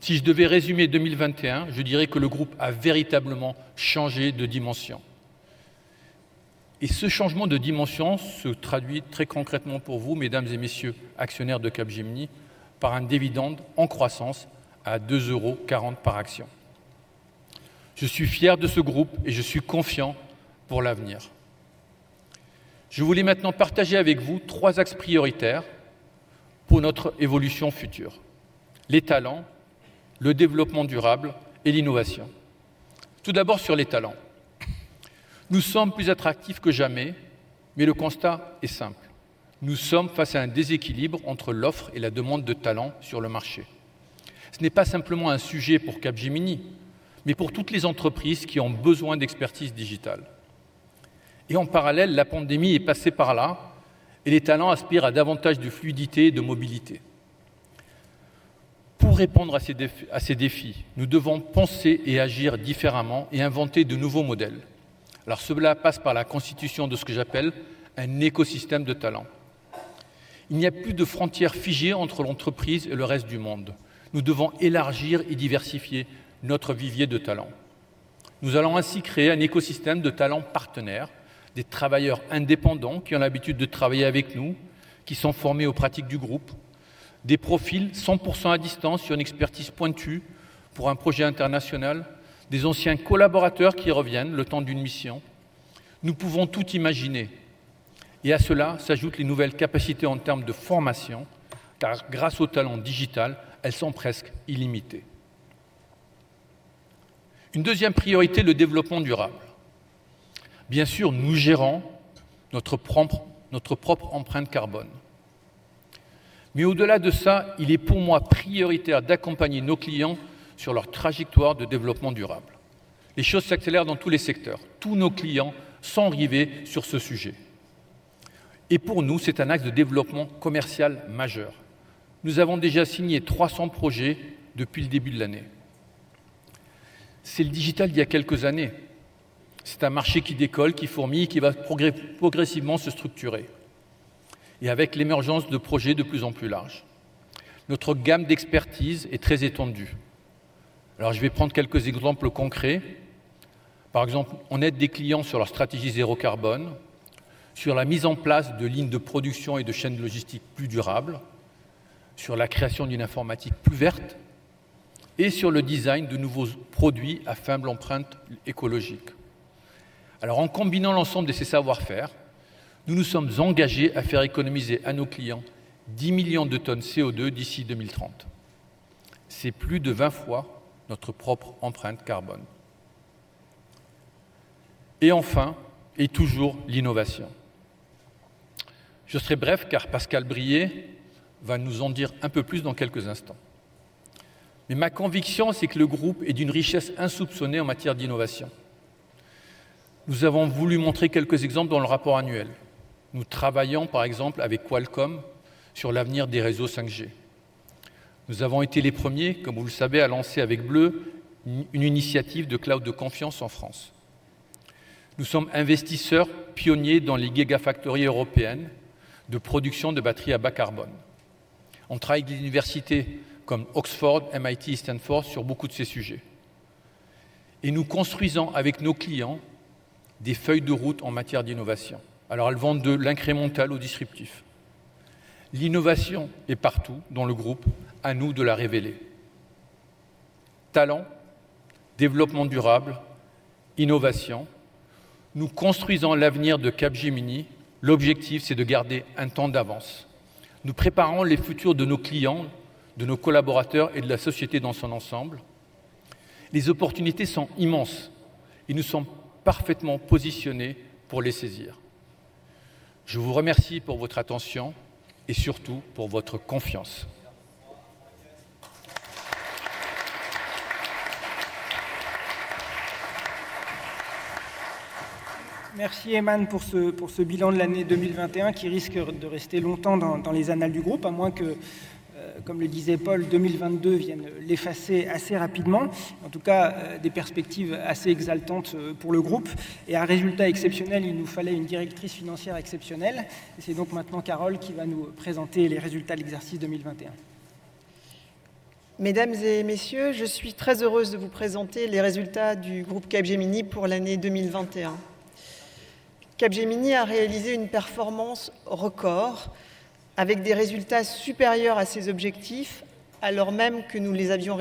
si je devais résumer 2021, je dirais que le groupe a véritablement changé de dimension. Ce changement de dimension se traduit très concrètement pour vous, Mesdames et Messieurs actionnaires de Capgemini, par un dividende en croissance à 2.40 euros par action. Je suis fier de ce groupe et je suis confiant pour l'avenir. Je voulais maintenant partager avec vous trois axes prioritaires pour notre évolution future, les talents, le développement durable et l'innovation. Tout d'abord, sur les talents. Nous sommes plus attractifs que jamais, mais le constat est simple, nous sommes face à un déséquilibre entre l'offre et la demande de talents sur le marché. Ce n'est pas simplement un sujet pour Capgemini, mais pour toutes les entreprises qui ont besoin d'expertise digitale. En parallèle, la pandémie est passée par là et les talents aspirent à davantage de fluidité et de mobilité. Pour répondre à ces défis, nous devons penser et agir différemment et inventer de nouveaux modèles. Cela passe par la constitution de ce que j'appelle un écosystème de talents. Il n'y a plus de frontières figées entre l'entreprise et le reste du monde. Nous devons élargir et diversifier notre vivier de talents. Nous allons ainsi créer un écosystème de talents partenaires, des travailleurs indépendants qui ont l'habitude de travailler avec nous, qui sont formés aux pratiques du groupe, des profils 100% à distance sur une expertise pointue pour un projet international, des anciens collaborateurs qui reviennent le temps d'une mission. Nous pouvons tout imaginer. À cela s'ajoutent les nouvelles capacités en termes de formation, car grâce aux talents digitaux, elles sont presque illimitées. Une deuxième priorité, le développement durable. Bien sûr, nous gérons notre propre empreinte carbone. Mais au-delà de ça, il est pour moi prioritaire d'accompagner nos clients sur leur trajectoire de développement durable. Les choses s'accélèrent dans tous les secteurs. Tous nos clients sont rivés sur ce sujet. Pour nous, c'est un axe de développement commercial majeur. Nous avons déjà signé 300 projets depuis le début de l'année. C'est le digital d'il y a quelques années. C'est un marché qui décolle, qui fourmille et qui va progressivement se structurer. Avec l'émergence de projets de plus en plus larges. Notre gamme d'expertise est très étendue. Alors, je vais prendre quelques exemples concrets. Par exemple, on aide des clients sur leur stratégie zéro carbone, sur la mise en place de lignes de production et de chaînes logistiques plus durables, sur la création d'une informatique plus verte et sur le design de nouveaux produits à faible empreinte écologique. Alors, en combinant l'ensemble de ces savoir-faire, nous nous sommes engagés à faire économiser à nos clients 10 million tonnes CO2 d'ici 2030. C'est plus de 20 fois notre propre empreinte carbone. Enfin, et toujours l'innovation. Je serai bref, car Pascal Brier va nous en dire un peu plus dans quelques instants. Ma conviction, c'est que le groupe est d'une richesse insoupçonnée en matière d'innovation. Nous avons voulu montrer quelques exemples dans le rapport annuel. Nous travaillons par exemple avec Qualcomm sur l'avenir des réseaux 5G. Nous avons été les premiers, comme vous le savez, à lancer avec Bleu une initiative de cloud de confiance en France. Nous sommes investisseurs pionniers dans les giga factories européennes de production de batteries à bas carbone. On travaille avec des universités comme Oxford, MIT et Stanford sur beaucoup de ces sujets. Nous construisons avec nos clients des feuilles de route en matière d'innovation. Elles vont de l'incrémental au disruptif. L'innovation est partout dans le groupe, à nous de la révéler. Talents, développement durable, innovation. Nous construisons l'avenir de Capgemini. L'objectif, c'est de garder un temps d'avance. Nous préparons les futurs de nos clients, de nos collaborateurs et de la société dans son ensemble. Les opportunités sont immenses et nous sommes parfaitement positionnés pour les saisir. Je vous remercie pour votre attention et surtout pour votre confiance. Merci Aiman pour ce bilan de l'année 2021 qui risque de rester longtemps dans les annales du groupe. À moins que, comme le disait Paul, 2022 vienne l'effacer assez rapidement. En tout cas, des perspectives assez exaltantes pour le groupe. À un résultat exceptionnel, il nous fallait une directrice financière exceptionnelle. C'est donc maintenant Carole qui va nous présenter les résultats de l'exercice 2021. Mesdames et messieurs, je suis très heureuse de vous présenter les résultats du groupe Capgemini pour l'année 2021. Capgemini a réalisé une performance record avec des résultats supérieurs à ses objectifs alors même que nous les avions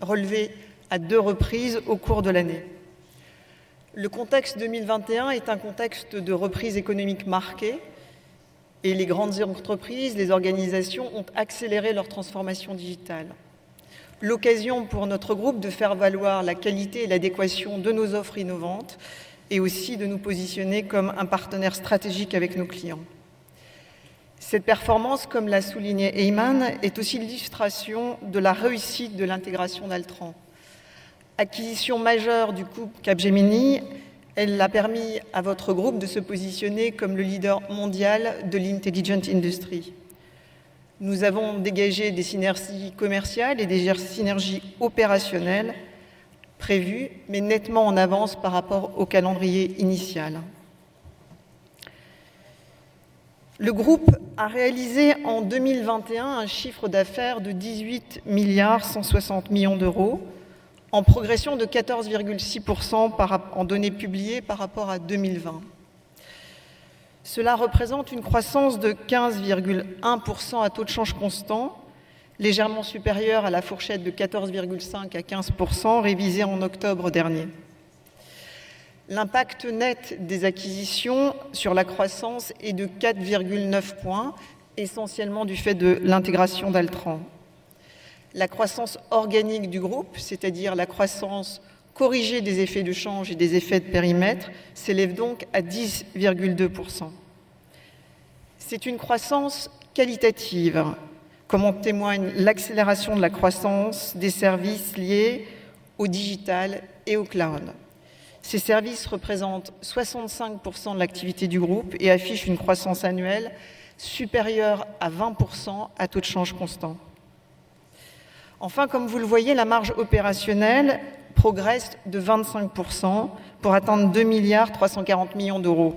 relevés à deux reprises au cours de l'année. Le contexte 2021 est un contexte de reprise économique marquée et les grandes entreprises, les organisations ont accéléré leur transformation digitale. L'occasion pour notre groupe de faire valoir la qualité et l'adéquation de nos offres innovantes et aussi de nous positionner comme un partenaire stratégique avec nos clients. Cette performance, comme l'a souligné Aiman Ezzat, est aussi l'illustration de la réussite de l'intégration d'Altran. Acquisition majeure du groupe Capgemini, elle a permis à votre groupe de se positionner comme le leader mondial de l'Intelligent Industry. Nous avons dégagé des synergies commerciales et des synergies opérationnelles prévues, mais nettement en avance par rapport au calendrier initial. Le groupe a réalisé en 2021 un chiffre d'affaires de 18.16 billion, en progression de 14.6% en données publiées par rapport à 2020. Cela représente une croissance de 15.1% à taux de change constant, légèrement supérieur à la fourchette de 14.5%-15% révisée en octobre dernier. L'impact net des acquisitions sur la croissance est de 4.9 points, essentiellement du fait de l'intégration d'Altran. La croissance organique du groupe, c'est-à-dire la croissance corrigée des effets de change et des effets de périmètre, s'élève donc à 10.2%. C'est une croissance qualitative, comme en témoigne l'accélération de la croissance des services liés au digital et au cloud. Ces services représentent 65% de l'activité du groupe et affichent une croissance annuelle supérieure à 20% à taux de change constant. Enfin, comme vous le voyez, la marge opérationnelle progresse de 25% pour atteindre 2.34 billion,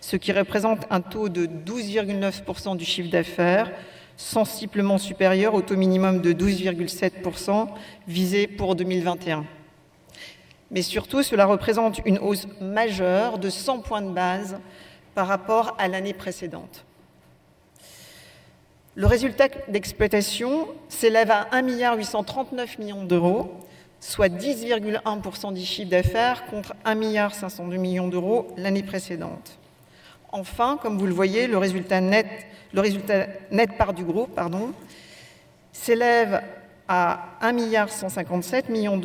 ce qui représente un taux de 12.9% du chiffre d'affaires, sensiblement supérieur au taux minimum de 12.7% visé pour 2021. Mais surtout, cela représente une hausse majeure de 100 points de base par rapport à l'année précédente. Le résultat d'exploitation s'élève à 1,839 million, soit 10.1% du chiffre d'affaires, contre 1,502 million l'année précédente. Enfin, comme vous le voyez, le résultat net part du groupe s'élève à 1,157 million,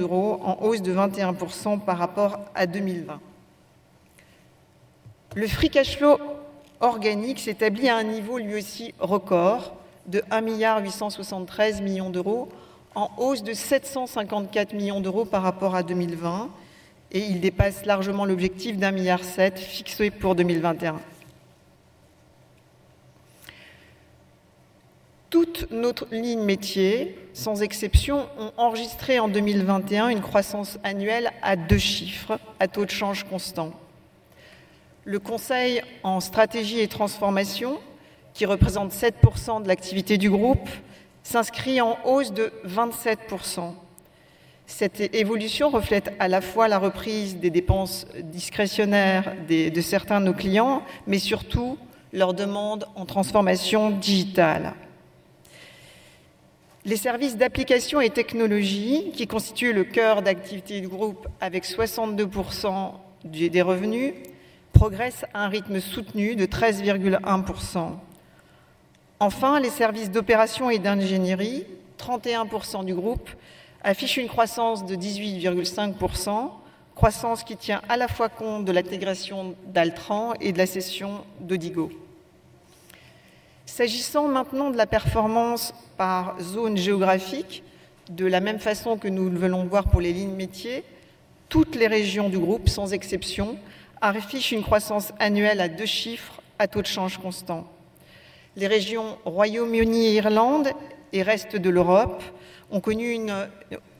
en hausse de 21% par rapport à 2020. Le free cash flow organique s'établit à un niveau lui aussi record de 1,873 million, en hausse de 754 million par rapport à 2020, et il dépasse largement l'objectif d'EUR 1.7 billion fixé pour 2021. Toutes nos lignes métiers, sans exception, ont enregistré en 2021 une croissance annuelle à deux chiffres à taux de change constant. Le conseil en stratégie et transformation, qui représente 7% de l'activité du groupe, s'inscrit en hausse de 27%. Cette évolution reflète à la fois la reprise des dépenses discrétionnaires de certains de nos clients, mais surtout leur demande en transformation digitale. Les services d'application et technologies, qui constituent le cœur d'activité du groupe avec 62% des revenus, progressent à un rythme soutenu de 13.1%. Enfin, les services d'opération et d'ingénierie, 31% du groupe, affichent une croissance de 18.5%, croissance qui tient à la fois compte de l'intégration d'Altran et de la cession d'Odigo. S'agissant maintenant de la performance par zone géographique, de la même façon que nous venons de voir pour les lignes métiers, toutes les régions du groupe, sans exception, affichent une croissance annuelle à deux chiffres à taux de change constant. Les régions Royaume-Uni et Irlande et reste de l'Europe ont connu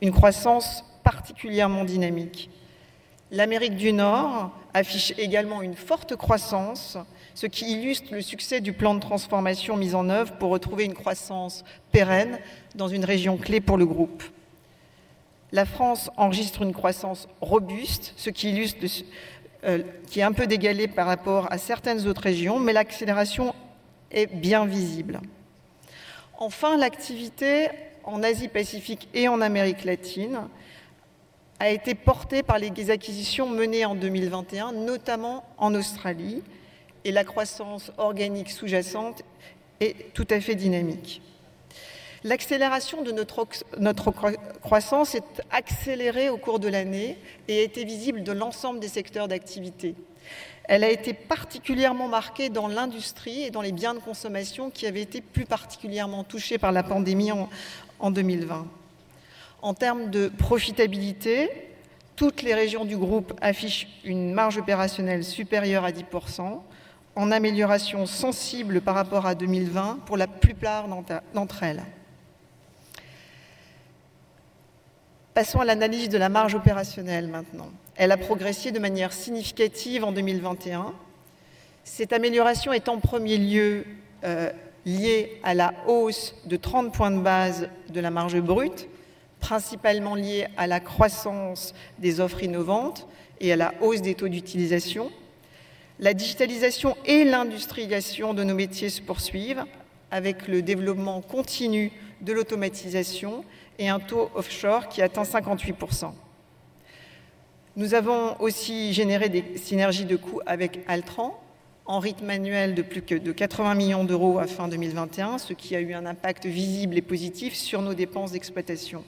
une croissance particulièrement dynamique. L'Amérique du Nord affiche également une forte croissance, ce qui illustre le succès du plan de transformation mis en œuvre pour retrouver une croissance pérenne dans une région clé pour le groupe. La France enregistre une croissance robuste, ce qui illustre ce qui est un peu décalé par rapport à certaines autres régions, mais l'accélération est bien visible. Enfin, l'activité en Asie-Pacifique et en Amérique latine a été portée par les acquisitions menées en 2021, notamment en Australie, et la croissance organique sous-jacente est tout à fait dynamique. L'accélération de notre croissance s'est accélérée au cours de l'année et a été visible de l'ensemble des secteurs d'activité. Elle a été particulièrement marquée dans l'industrie et dans les biens de consommation qui avaient été plus particulièrement touchés par la pandémie en 2020. En termes de profitabilité, toutes les régions du groupe affichent une marge opérationnelle supérieure à 10%, en amélioration sensible par rapport à 2020 pour la plupart d'entre elles. Passons à l'analyse de la marge opérationnelle, maintenant. Elle a progressé de manière significative en 2021. Cette amélioration est en premier lieu liée à la hausse de 30 points de base de la marge brute, principalement liée à la croissance des offres innovantes et à la hausse des taux d'utilisation. La digitalisation et l'industrialisation de nos métiers se poursuivent avec le développement continu de l'automatisation et un taux offshore qui atteint 58%. Nous avons aussi généré des synergies de coûts avec Altran en rythme annuel de plus de 80 million à fin 2021, ce qui a eu un impact visible et positif sur nos dépenses d'exploitation.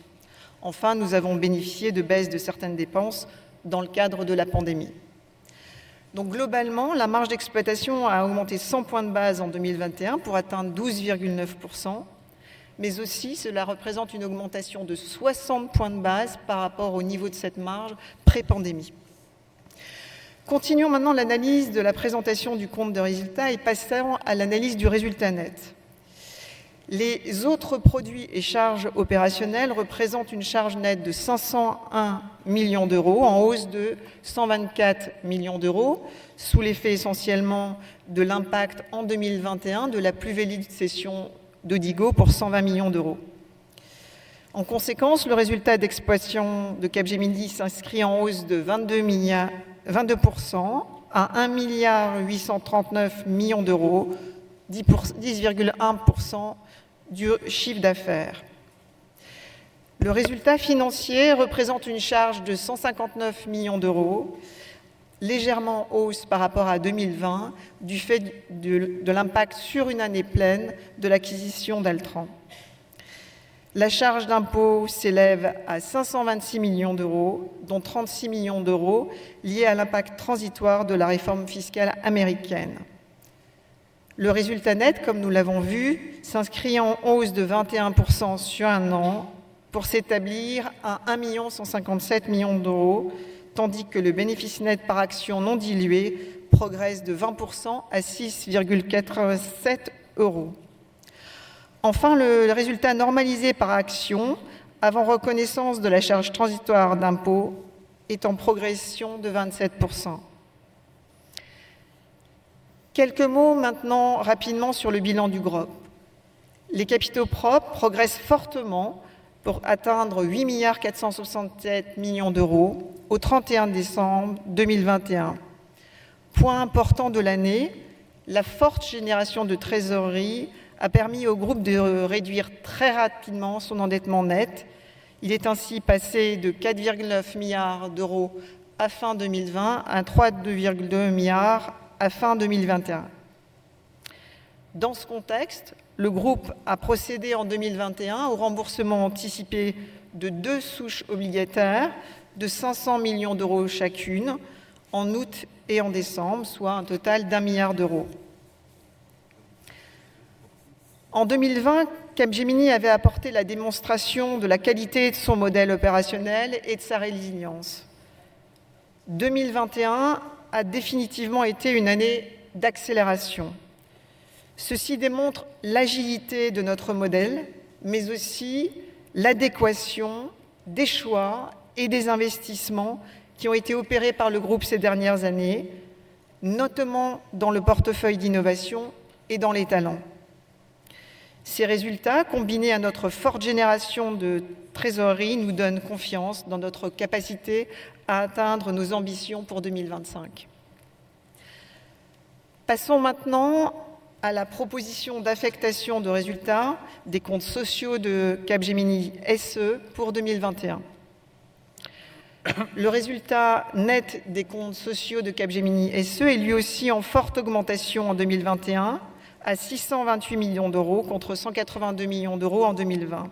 Enfin, nous avons bénéficié de baisses de certaines dépenses dans le cadre de la pandémie. Globalement, la marge d'exploitation a augmenté 100 points de base en 2021 pour atteindre 12.9%. Cela représente une augmentation de 60 points de base par rapport au niveau de cette marge pré-pandémie. Continuons maintenant l'analyse de la présentation du compte de résultat et passons à l'analyse du résultat net. Les autres produits et charges opérationnelles représentent une charge nette de 501 million, en hausse de 124 million, sous l'effet essentiellement de l'impact en 2021 de la plus-value de cession d'Odigo pour 120 million. En conséquence, le résultat d'exploitation de Capgemini s'inscrit en hausse de 22% à EUR 1,839 million, 10.1% du chiffre d'affaires. Le résultat financier représente une charge de 159 million, légèrement en hausse par rapport à 2020, du fait de l'impact sur une année pleine de l'acquisition d'Altran. La charge d'impôt s'élève à 526 million, dont 36 million liés à l'impact transitoire de la réforme fiscale américaine. Le résultat net, comme nous l'avons vu, s'inscrit en hausse de 21% sur un an pour s'établir à 1,157 million, tandis que le bénéfice net par action non dilué progresse de 20% à EUR 6.87. Le résultat normalisé par action avant reconnaissance de la charge transitoire d'impôt est en progression de 27%. Quelques mots maintenant rapidement sur le bilan du groupe. Les capitaux propres progressent fortement pour atteindre 8,467 million au 31 décembre 2021. Point important de l'année, la forte génération de trésorerie a permis au groupe de réduire très rapidement son endettement net. Il est ainsi passé de 4.9 milliards à fin 2020 à 3.2 milliards à fin 2021. Dans ce contexte, le groupe a procédé en 2021 au remboursement anticipé de deux souches obligataires de 500 millions chacune en août et en décembre, soit un total de 1 milliard. En 2020, Capgemini avait apporté la démonstration de la qualité de son modèle opérationnel et de sa résilience. 2021 a définitivement été une année d'accélération. Ceci démontre l'agilité de notre modèle, mais aussi l'adéquation des choix et des investissements qui ont été opérés par le groupe ces dernières années, notamment dans le portefeuille d'innovation et dans les talents. Ces résultats, combinés à notre forte génération de trésorerie, nous donnent confiance dans notre capacité à atteindre nos ambitions pour 2025. Passons maintenant à la proposition d'affectation de résultats des comptes sociaux de Capgemini SE pour 2021. Le résultat net des comptes sociaux de Capgemini SE est lui aussi en forte augmentation en 2021 à 628 million contre 182 million en 2020.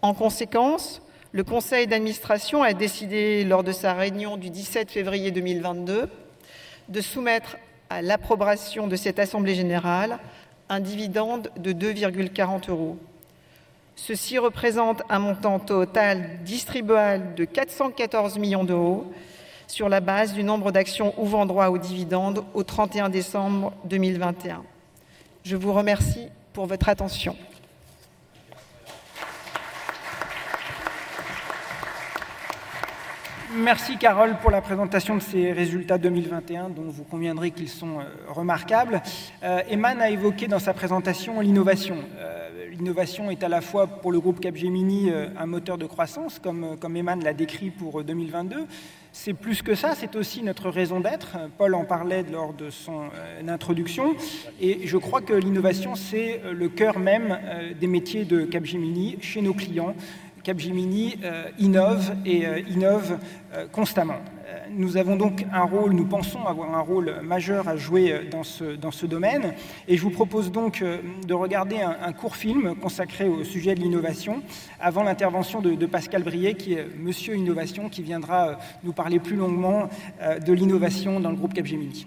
En conséquence, le conseil d'administration a décidé, lors de sa réunion du 17 février 2022, de soumettre à l'approbation de cette assemblée générale un dividende de 2.40 euros. Ceci représente un montant total distribuable de 414 million sur la base du nombre d'actions ouvrant droit au dividende au 31 décembre 2021. Je vous remercie pour votre attention. Merci Carole pour la présentation de ces résultats 2021 dont vous conviendrez qu'ils sont remarquables. Aiman a évoqué dans sa présentation l'innovation. L'innovation est à la fois pour le groupe Capgemini un moteur de croissance, comme Aiman l'a décrit pour 2022. C'est plus que ça, c'est aussi notre raison d'être. Paul en parlait lors de son introduction et je crois que l'innovation, c'est le cœur même des métiers de Capgemini chez nos clients. Capgemini innove et innove constamment. Nous avons donc un rôle, nous pensons avoir un rôle majeur à jouer dans ce domaine. Je vous propose donc de regarder un court film consacré au sujet de l'innovation avant l'intervention de Pascal Brier, qui est Monsieur Innovation, qui viendra nous parler plus longuement de l'innovation dans le groupe Capgemini.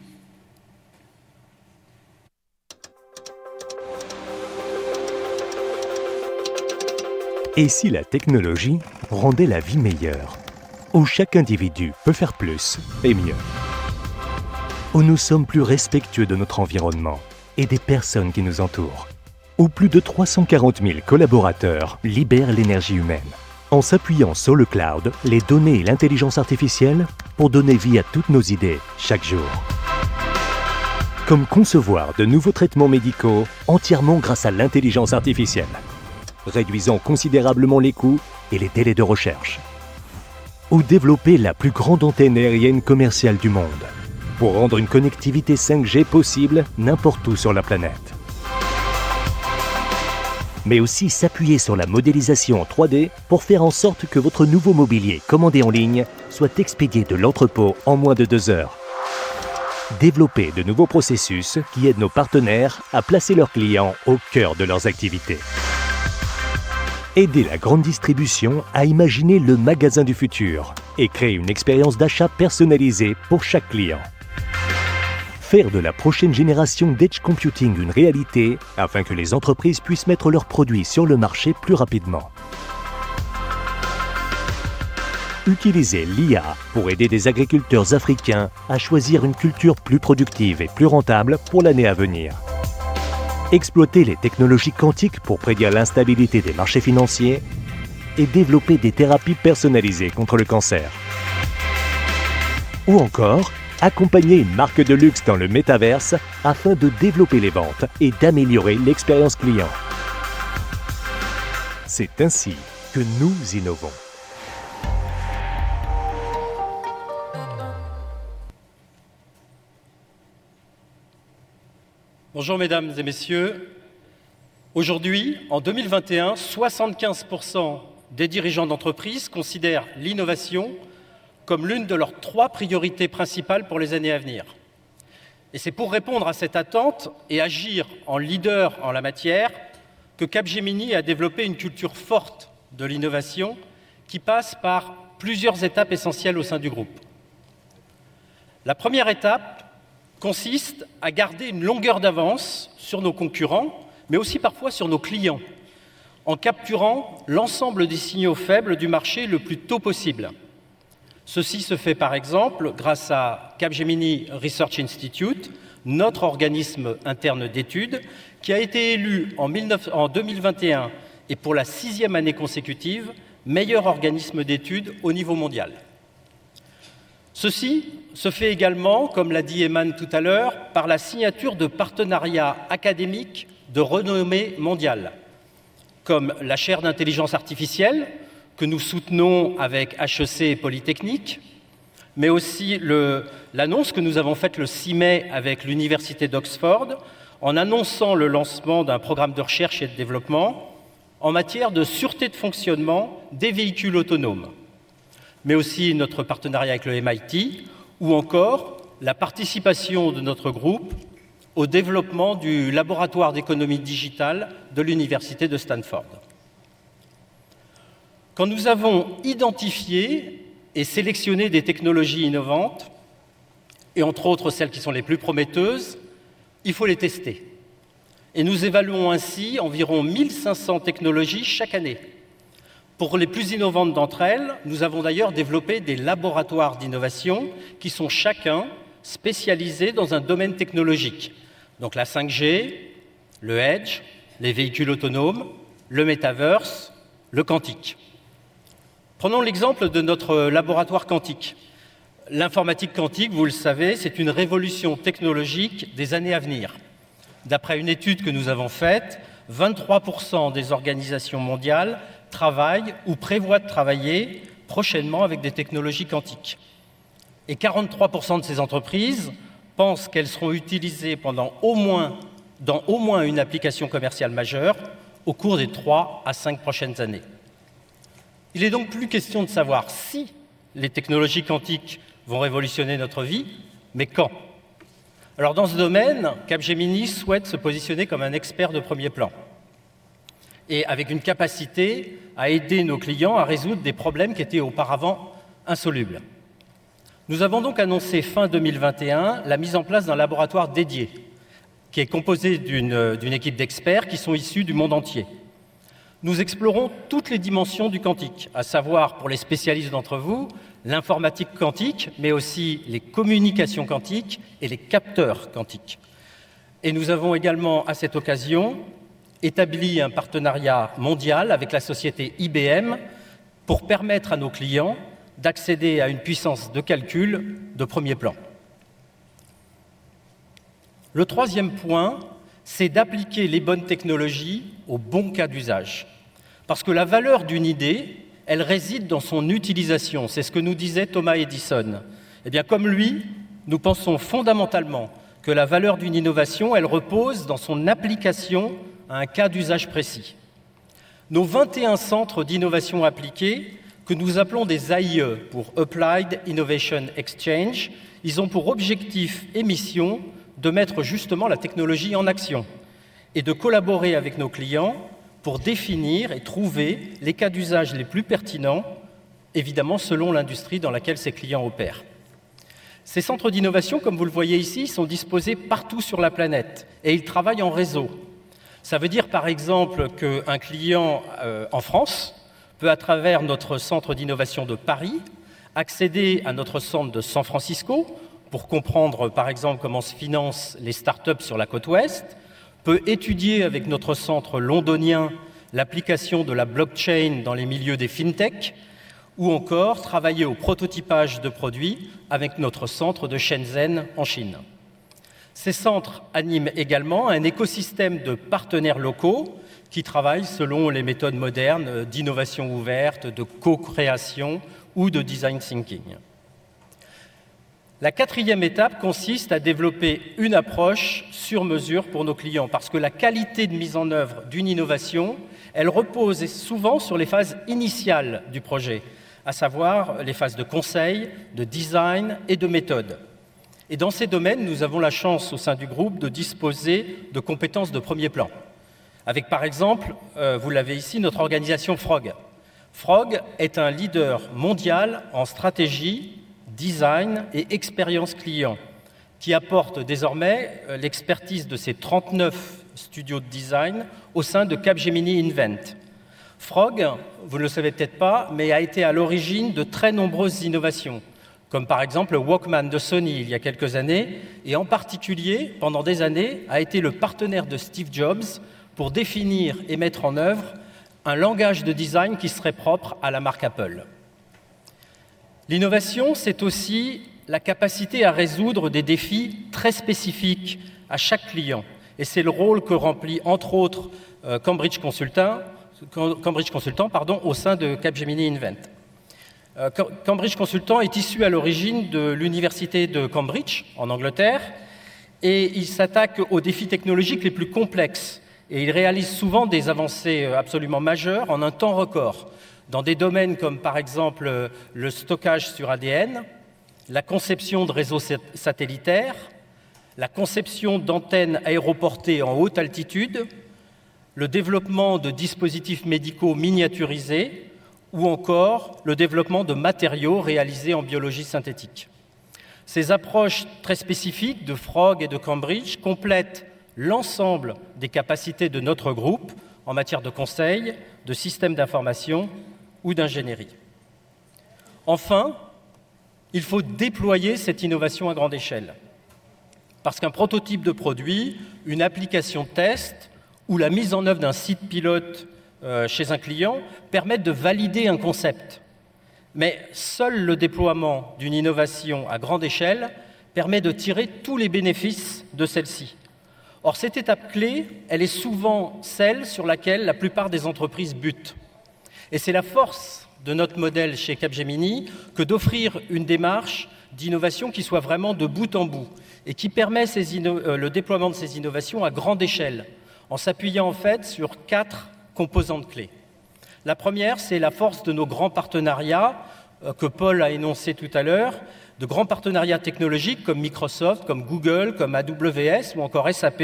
Si la technologie rendait la vie meilleure, où chaque individu peut faire plus et mieux? Où nous sommes plus respectueux de notre environnement et des personnes qui nous entourent. Où plus de 340,000 collaborateurs libèrent l'énergie humaine en s'appuyant sur le cloud, les données et l'intelligence artificielle pour donner vie à toutes nos idées chaque jour. Comme concevoir de nouveaux traitements médicaux entièrement grâce à l'intelligence artificielle, réduisant considérablement les coûts et les délais de recherche. Ou développer la plus grande antenne aérienne commerciale du monde pour rendre une connectivité 5G possible n'importe où sur la planète. Mais aussi s'appuyer sur la modélisation en 3D pour faire en sorte que votre nouveau mobilier commandé en ligne soit expédié de l'entrepôt en moins de deux heures. Développer de nouveaux processus qui aident nos partenaires à placer leurs clients au cœur de leurs activités. Aider la grande distribution à imaginer le magasin du futur et créer une expérience d'achat personnalisée pour chaque client. Faire de la prochaine génération d'edge computing une réalité afin que les entreprises puissent mettre leurs produits sur le marché plus rapidement. Utiliser l'IA pour aider des agriculteurs africains à choisir une culture plus productive et plus rentable pour l'année à venir. Exploiter les technologies quantiques pour prédire l'instabilité des marchés financiers et développer des thérapies personnalisées contre le cancer. Ou encore accompagner une marque de luxe dans le métaverse afin de développer les ventes et d'améliorer l'expérience client. C'est ainsi que nous innovons. Bonjour mesdames et messieurs. Aujourd'hui, en 2021, 75% des dirigeants d'entreprises considèrent l'innovation comme l'une de leurs 3 priorités principales pour les années à venir. C'est pour répondre à cette attente et agir en leader en la matière que Capgemini a développé une culture forte de l'innovation qui passe par plusieurs étapes essentielles au sein du groupe. La première étape consiste à garder une longueur d'avance sur nos concurrents, mais aussi parfois sur nos clients, en capturant l'ensemble des signaux faibles du marché le plus tôt possible. Ceci se fait par exemple grâce à Capgemini Research Institute, notre organisme interne d'études, qui a été élu en 2021, et pour la sixième année consécutive, meilleur organisme d'études au niveau mondial. Ceci se fait également, comme l'a dit Aiman Ezzat tout à l'heure, par la signature de partenariats académiques de renommée mondiale, comme la chaire d'intelligence artificielle que nous soutenons avec HEC et Polytechnique, mais aussi l'annonce que nous avons faite le six mai avec l'université d'Oxford en annonçant le lancement d'un programme de recherche et de développement en matière de sûreté de fonctionnement des véhicules autonomes. Mais aussi notre partenariat avec le MIT, ou encore la participation de notre groupe au développement du laboratoire d'économie digitale de l'Université de Stanford. Quand nous avons identifié et sélectionné des technologies innovantes, et entre autres celles qui sont les plus prometteuses, il faut les tester. Nous évaluons ainsi environ 1,500 technologies chaque année. Pour les plus innovantes d'entre elles, nous avons d'ailleurs développé des laboratoires d'innovation qui sont chacun spécialisés dans un domaine technologique. La 5G, le Edge, les véhicules autonomes, le Metaverse, le quantique. Prenons l'exemple de notre laboratoire quantique. L'informatique quantique, vous le savez, c'est une révolution technologique des années à venir. D'après une étude que nous avons faite, 23% des organisations mondiales travaillent ou prévoient de travailler prochainement avec des technologies quantiques. 43% de ces entreprises pensent qu'elles seront utilisées dans au moins une application commerciale majeure au cours des 3-5 prochaines années. Il est donc plus question de savoir si les technologies quantiques vont révolutionner notre vie, mais quand. Dans ce domaine, Capgemini souhaite se positionner comme un expert de premier plan et avec une capacité à aider nos clients à résoudre des problèmes qui étaient auparavant insolubles. Nous avons donc annoncé fin 2021 la mise en place d'un laboratoire dédié qui est composé d'une équipe d'experts qui sont issus du monde entier. Nous explorons toutes les dimensions du quantique, à savoir, pour les spécialistes d'entre vous, l'informatique quantique, mais aussi les communications quantiques et les capteurs quantiques. Nous avons également, à cette occasion, établi un partenariat mondial avec la société IBM pour permettre à nos clients d'accéder à une puissance de calcul de premier plan. Le troisième point, c'est d'appliquer les bonnes technologies aux bons cas d'usage. Parce que la valeur d'une idée, elle réside dans son utilisation. C'est ce que nous disait Thomas Edison. Eh bien comme lui, nous pensons fondamentalement que la valeur d'une innovation, elle repose dans son application à un cas d'usage précis. Nos 21 centres d'innovation appliquée, que nous appelons des AIE pour Applied Innovation Exchange, ils ont pour objectif et mission de mettre justement la technologie en action et de collaborer avec nos clients pour définir et trouver les cas d'usage les plus pertinents, évidemment, selon l'industrie dans laquelle ces clients opèrent. Ces centres d'innovation, comme vous le voyez ici, sont disposés partout sur la planète et ils travaillent en réseau. Ça veut dire, par exemple, qu'un client en France peut, à travers notre centre d'innovation de Paris, accéder à notre centre de San Francisco pour comprendre, par exemple, comment se financent les start-up sur la côte ouest, peut étudier avec notre centre londonien l'application de la blockchain dans les milieux des Fintech ou encore travailler au prototypage de produits avec notre centre de Shenzhen en Chine. Ces centres animent également un écosystème de partenaires locaux qui travaillent selon les méthodes modernes d'innovation ouverte, de cocréation ou de design thinking. La quatrième étape consiste à développer une approche sur mesure pour nos clients parce que la qualité de mise en œuvre d'une innovation, elle repose souvent sur les phases initiales du projet, à savoir les phases de conseil, de design et de méthode. Et dans ces domaines, nous avons la chance, au sein du groupe, de disposer de compétences de premier plan. Avec par exemple, vous l'avez ici, notre organisation Frog. Frog est un leader mondial en stratégie, design et expérience client qui apporte désormais l'expertise de ses 39 studios de design au sein de Capgemini Invent. Frog, vous ne le savez peut-être pas, mais a été à l'origine de très nombreuses innovations. Comme par exemple le Walkman de Sony il y a quelques années et en particulier, pendant des années, a été le partenaire de Steve Jobs pour définir et mettre en œuvre un langage de design qui serait propre à la marque Apple. L'innovation, c'est aussi la capacité à résoudre des défis très spécifiques à chaque client. C'est le rôle que remplit, entre autres, Cambridge Consultants, pardon, au sein de Capgemini Invent. Cambridge Consultants est issu à l'origine de l'Université de Cambridge, en Angleterre, et il s'attaque aux défis technologiques les plus complexes et il réalise souvent des avancées absolument majeures en un temps record dans des domaines comme par exemple le stockage sur ADN, la conception de réseaux satellitaires, la conception d'antennes aéroportées en haute altitude, le développement de dispositifs médicaux miniaturisés ou encore le développement de matériaux réalisés en biologie synthétique. Ces approches très spécifiques de Frog et de Cambridge complètent l'ensemble des capacités de notre groupe en matière de conseil, de systèmes d'information ou d'ingénierie. Enfin, il faut déployer cette innovation à grande échelle. Parce qu'un prototype de produit, une application test ou la mise en œuvre d'un site pilote chez un client permet de valider un concept. Mais seul le déploiement d'une innovation à grande échelle permet de tirer tous les bénéfices de celle-ci. Cette étape clé, elle est souvent celle sur laquelle la plupart des entreprises butent. C'est la force de notre modèle chez Capgemini que d'offrir une démarche d'innovation qui soit vraiment de bout en bout et qui permet le déploiement de ces innovations à grande échelle. En s'appuyant en fait sur quatre composantes clés. La première, c'est la force de nos grands partenariats, que Paul a énoncé tout à l'heure, de grands partenariats technologiques comme Microsoft, comme Google, comme AWS ou encore SAP,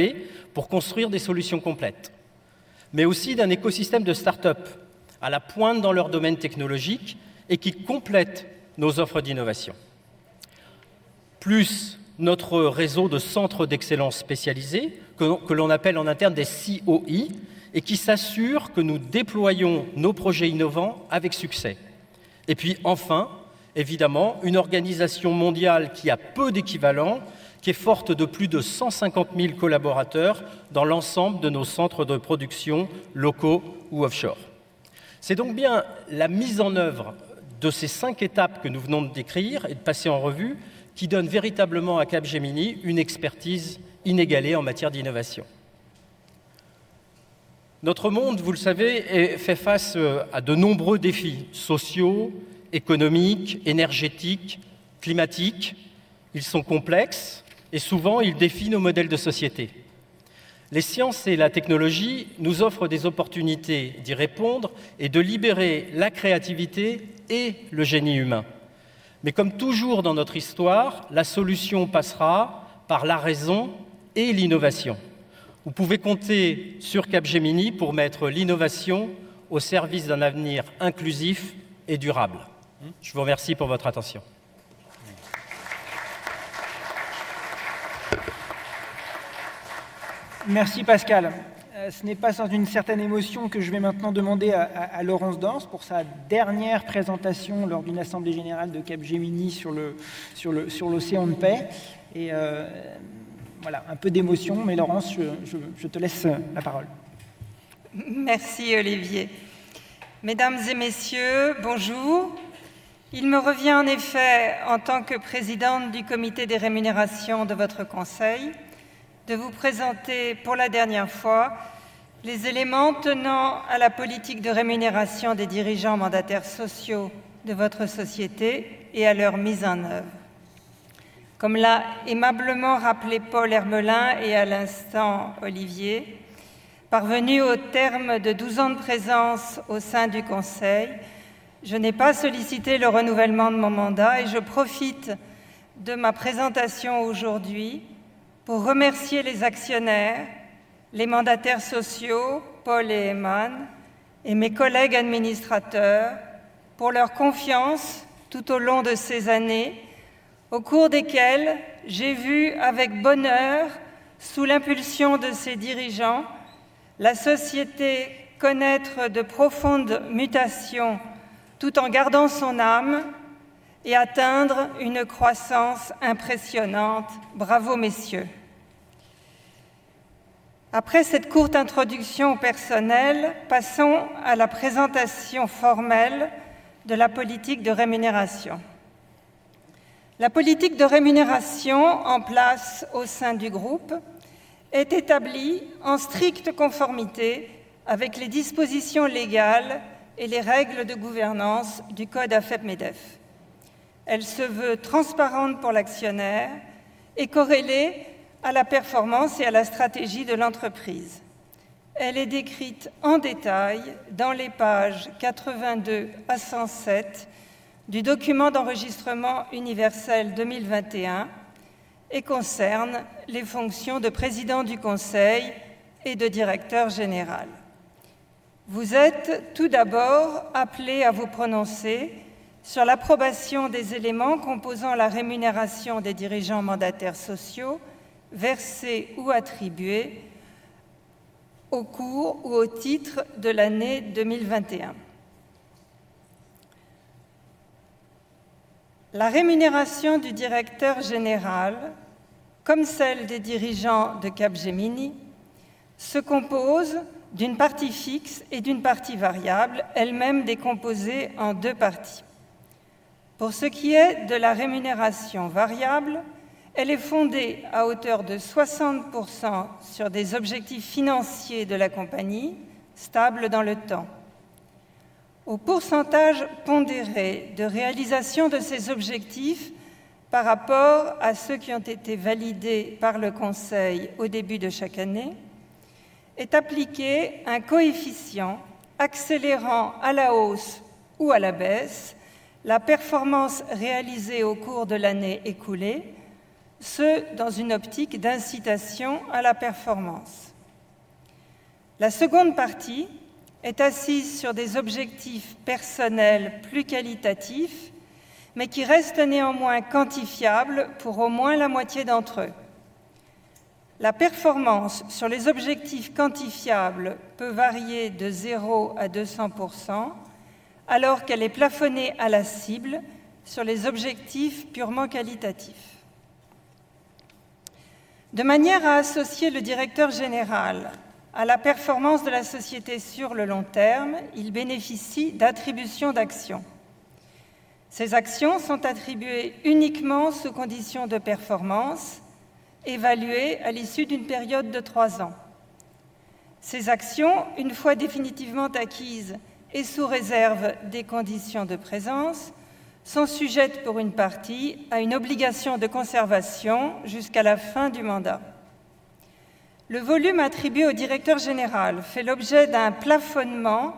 pour construire des solutions complètes. Mais aussi d'un écosystème de start-up à la pointe dans leur domaine technologique et qui complètent nos offres d'innovation. Plus notre réseau de centres d'excellence spécialisés, que l'on appelle en interne des COI, et qui s'assurent que nous déployons nos projets innovants avec succès. Puis enfin, évidemment, une organisation mondiale qui a peu d'équivalent, qui est forte de plus de 150,000 collaborateurs dans l'ensemble de nos centres de production locaux ou offshore. C'est donc bien la mise en œuvre de ces cinq étapes que nous venons de décrire et de passer en revue qui donne véritablement à Capgemini une expertise inégalée en matière d'innovation. Notre monde, vous le savez, est fait face à de nombreux défis sociaux, économiques, énergétiques, climatiques. Ils sont complexes et souvent ils défient nos modèles de société. Les sciences et la technologie nous offrent des opportunités d'y répondre et de libérer la créativité et le génie humain. Mais comme toujours dans notre histoire, la solution passera par la raison et l'innovation. Vous pouvez compter sur Capgemini pour mettre l'innovation au service d'un avenir inclusif et durable. Je vous remercie pour votre attention. Merci Pascal. Ce n'est pas sans une certaine émotion que je vais maintenant demander à Laurence Dors pour sa dernière présentation lors d'une assemblée générale de Capgemini sur l'océan de paix. Voilà, un peu d'émotion, mais Laurence, je te laisse la parole. Merci Olivier. Mesdames et Messieurs, bonjour. Il me revient en effet, en tant que présidente du comité des rémunérations de votre conseil, de vous présenter pour la dernière fois les éléments tenant à la politique de rémunération des dirigeants mandataires sociaux de votre société et à leur mise en œuvre. Comme l'a aimablement rappelé Paul Hermelin et à l'instant Olivier, parvenue au terme de douze ans de présence au sein du Conseil, je n'ai pas sollicité le renouvellement de mon mandat et je profite de ma présentation aujourd'hui pour remercier les actionnaires, les mandataires sociaux, Paul et Aiman, et mes collègues administrateurs pour leur confiance tout au long de ces années, au cours desquelles j'ai vu avec bonheur, sous l'impulsion de ces dirigeants, la société connaître de profondes mutations tout en gardant son âme et atteindre une croissance impressionnante. Bravo messieurs. Après cette courte introduction personnelle, passons à la présentation formelle de la politique de rémunération. La politique de rémunération en place au sein du groupe est établie en stricte conformité avec les dispositions légales et les règles de gouvernance du code AFEP-MEDEF. Elle se veut transparente pour l'actionnaire et corrélée à la performance et à la stratégie de l'entreprise. Elle est décrite en détail dans les pages 82 à 107 du document d'enregistrement universel 2021 et concerne les fonctions de président du conseil et de directeur général. Vous êtes tout d'abord appelés à vous prononcer sur l'approbation des éléments composant la rémunération des dirigeants mandataires sociaux versés ou attribués au cours ou au titre de l'année 2021. La rémunération du directeur général, comme celle des dirigeants de Capgemini, se compose d'une partie fixe et d'une partie variable, elle-même décomposée en deux parties. Pour ce qui est de la rémunération variable, elle est fondée à hauteur de 60% sur des objectifs financiers de la compagnie, stables dans le temps. Au pourcentage pondéré de réalisation de ces objectifs par rapport à ceux qui ont été validés par le conseil au début de chaque année est appliqué un coefficient accélérant à la hausse ou à la baisse la performance réalisée au cours de l'année écoulée, ce dans une optique d'incitation à la performance. La seconde partie est assise sur des objectifs personnels plus qualitatifs, mais qui restent néanmoins quantifiables pour au moins la moitié d'entre eux. La performance sur les objectifs quantifiables peut varier de 0 à 200% alors qu'elle est plafonnée à la cible sur les objectifs purement qualitatifs. De manière à associer le directeur général à la performance de la société sur le long terme, il bénéficie d'attributions d'actions. Ces actions sont attribuées uniquement sous conditions de performance, évaluées à l'issue d'une période de 3 ans. Ces actions, une fois définitivement acquises et sous réserve des conditions de présence, sont sujettes pour une partie à une obligation de conservation jusqu'à la fin du mandat. Le volume attribué au directeur général fait l'objet d'un plafonnement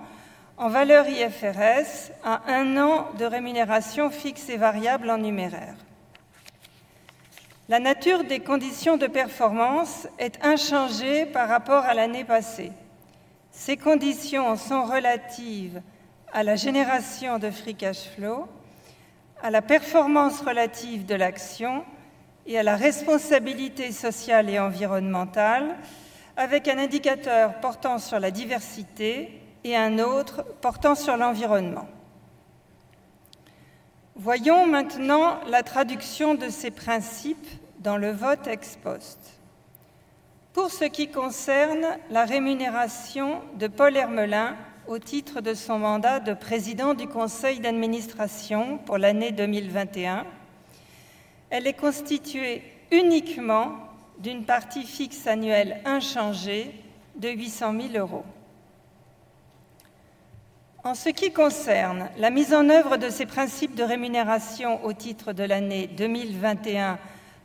en valeur IFRS à 1 an de rémunération fixe et variable en numéraire. La nature des conditions de performance est inchangée par rapport à l'année passée. Ces conditions sont relatives à la génération de free cash flow, à la performance relative de l'action et à la responsabilité sociale et environnementale avec un indicateur portant sur la diversité et un autre portant sur l'environnement. Voyons maintenant la traduction de ces principes dans le vote ex post. Pour ce qui concerne la rémunération de Paul Hermelin au titre de son mandat de président du conseil d'administration pour l'année 2021, elle est constituée uniquement d'une partie fixe annuelle inchangée de 800,000 euros. En ce qui concerne la mise en œuvre de ces principes de rémunération au titre de l'année 2021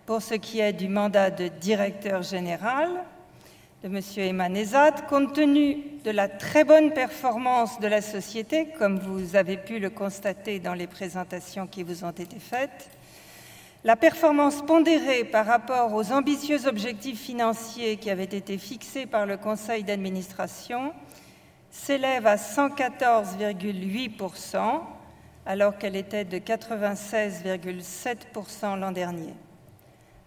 pour ce qui est du mandat de directeur général de Monsieur Aiman Ezzat, compte tenu de la très bonne performance de la société, comme vous avez pu le constater dans les présentations qui vous ont été faites, la performance pondérée par rapport aux ambitieux objectifs financiers qui avaient été fixés par le conseil d'administration s'élève à 114.8% alors qu'elle était de 96.7% l'an dernier.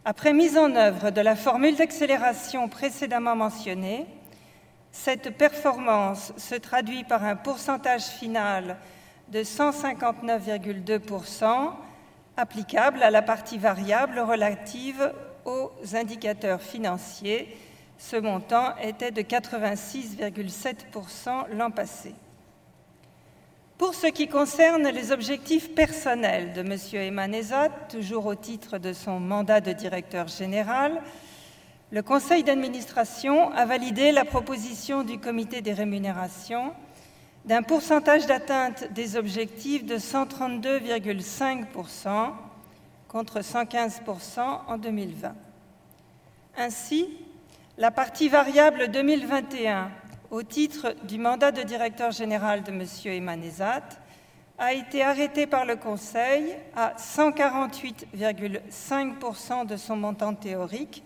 Après mise en œuvre de la formule d'accélération précédemment mentionnée, cette performance se traduit par un pourcentage final de 159.2% applicable à la partie variable relative aux indicateurs financiers. Ce montant était de 86.7% l'an passé. Pour ce qui concerne les objectifs personnels de monsieur Aiman Ezzat, toujours au titre de son mandat de directeur général, le conseil d'administration a validé la proposition du comité des rémunérations d'un pourcentage d'atteinte des objectifs de 132.5% contre 115% en 2020. Ainsi, la partie variable 2021, au titre du mandat de directeur général de M. Aiman Ezzat, a été arrêtée par le Conseil à 148.5% de son montant théorique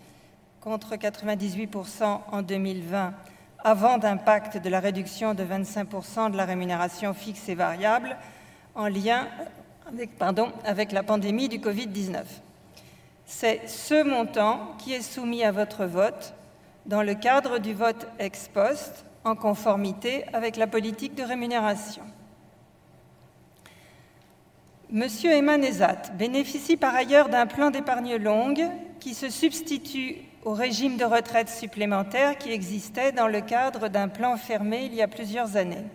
contre 98% en 2020 avant l'impact de la réduction de 25% de la rémunération fixe et variable en lien avec, pardon, avec la pandémie du COVID-19. C'est ce montant qui est soumis à votre vote dans le cadre du vote ex post en conformité avec la politique de rémunération. Monsieur Aiman Ezzat bénéficie par ailleurs d'un plan d'épargne longue qui se substitue au régime de retraite supplémentaire qui existait dans le cadre d'un plan fermé il y a plusieurs années.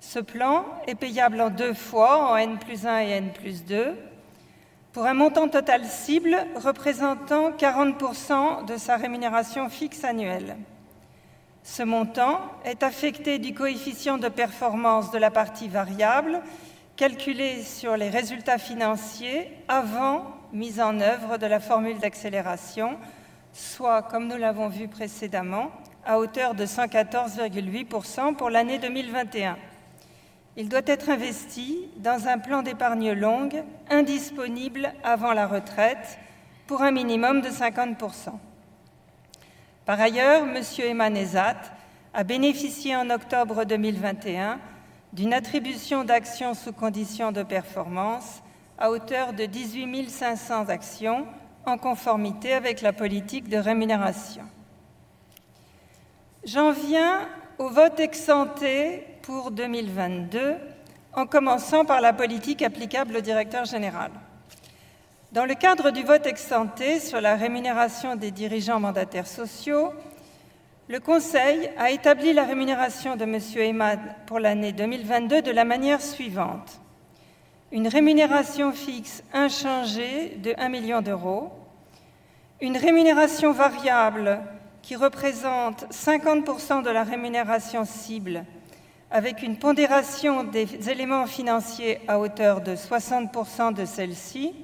Ce plan est payable en deux fois en N plus un et N plus deux pour un montant total cible représentant 40% de sa rémunération fixe annuelle. Ce montant est affecté du coefficient de performance de la partie variable calculée sur les résultats financiers avant mise en œuvre de la formule d'accélération, soit comme nous l'avons vu précédemment à hauteur de 114.8% pour l'année 2021. Il doit être investi dans un plan d'épargne longue indisponible avant la retraite pour un minimum de 50%. Par ailleurs, M. Aiman Ezzat a bénéficié en octobre 2021 d'une attribution d'actions sous conditions de performance à hauteur de 18,500 actions en conformité avec la politique de rémunération. J'en viens au vote ex ante pour 2022 en commençant par la politique applicable au directeur général. Dans le cadre du vote ex ante sur la rémunération des dirigeants mandataires sociaux, le conseil a établi la rémunération de M. Aiman Ezzat pour l'année 2022 de la manière suivante, une rémunération fixe inchangée de 1 million, une rémunération variable qui représente 50% de la rémunération cible avec une pondération des éléments financiers à hauteur de 60% de celle-ci.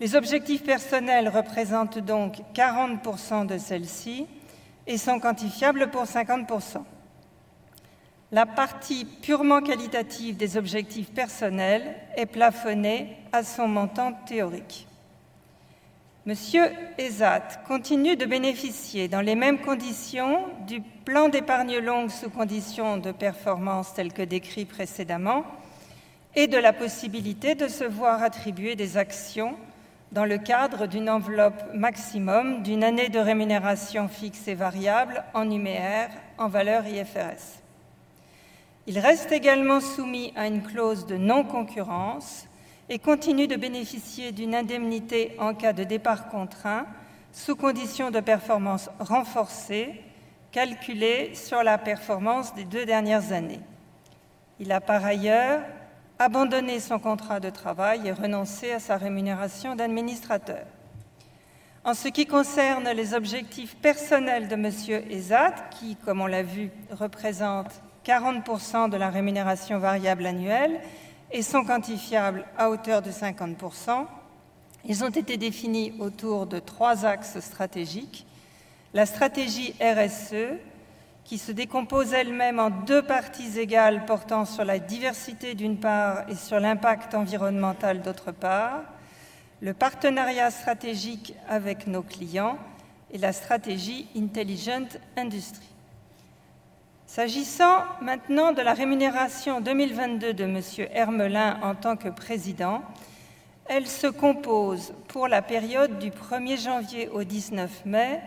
Les objectifs personnels représentent donc 40% de celle-ci et sont quantifiables pour 50%. La partie purement qualitative des objectifs personnels est plafonnée à son montant théorique. Monsieur Ezzat continue de bénéficier dans les mêmes conditions du plan d'épargne longue sous conditions de performance tel que décrit précédemment et de la possibilité de se voir attribuer des actions dans le cadre d'une enveloppe maximum d'une année de rémunération fixe et variable en numéraire en valeur IFRS. Il reste également soumis à une clause de non-concurrence et continue de bénéficier d'une indemnité en cas de départ contraint sous condition de performance renforcée calculée sur la performance des deux dernières années. Il a par ailleurs abandonné son contrat de travail et renoncé à sa rémunération d'administrateur. En ce qui concerne les objectifs personnels de Monsieur Ezzat, qui, comme on l'a vu, représentent 40% de la rémunération variable annuelle et sont quantifiables à hauteur de 50%, ils ont été définis autour de 3 axes stratégiques, la stratégie RSE, qui se décompose elle-même en 2 parties égales portant sur la diversité d'une part et sur l'impact environnemental d'autre part, le partenariat stratégique avec nos clients et la stratégie Intelligent Industry. S'agissant maintenant de la rémunération 2022 de Monsieur Hermelin en tant que Président, elle se compose pour la période du premier janvier au 19 mai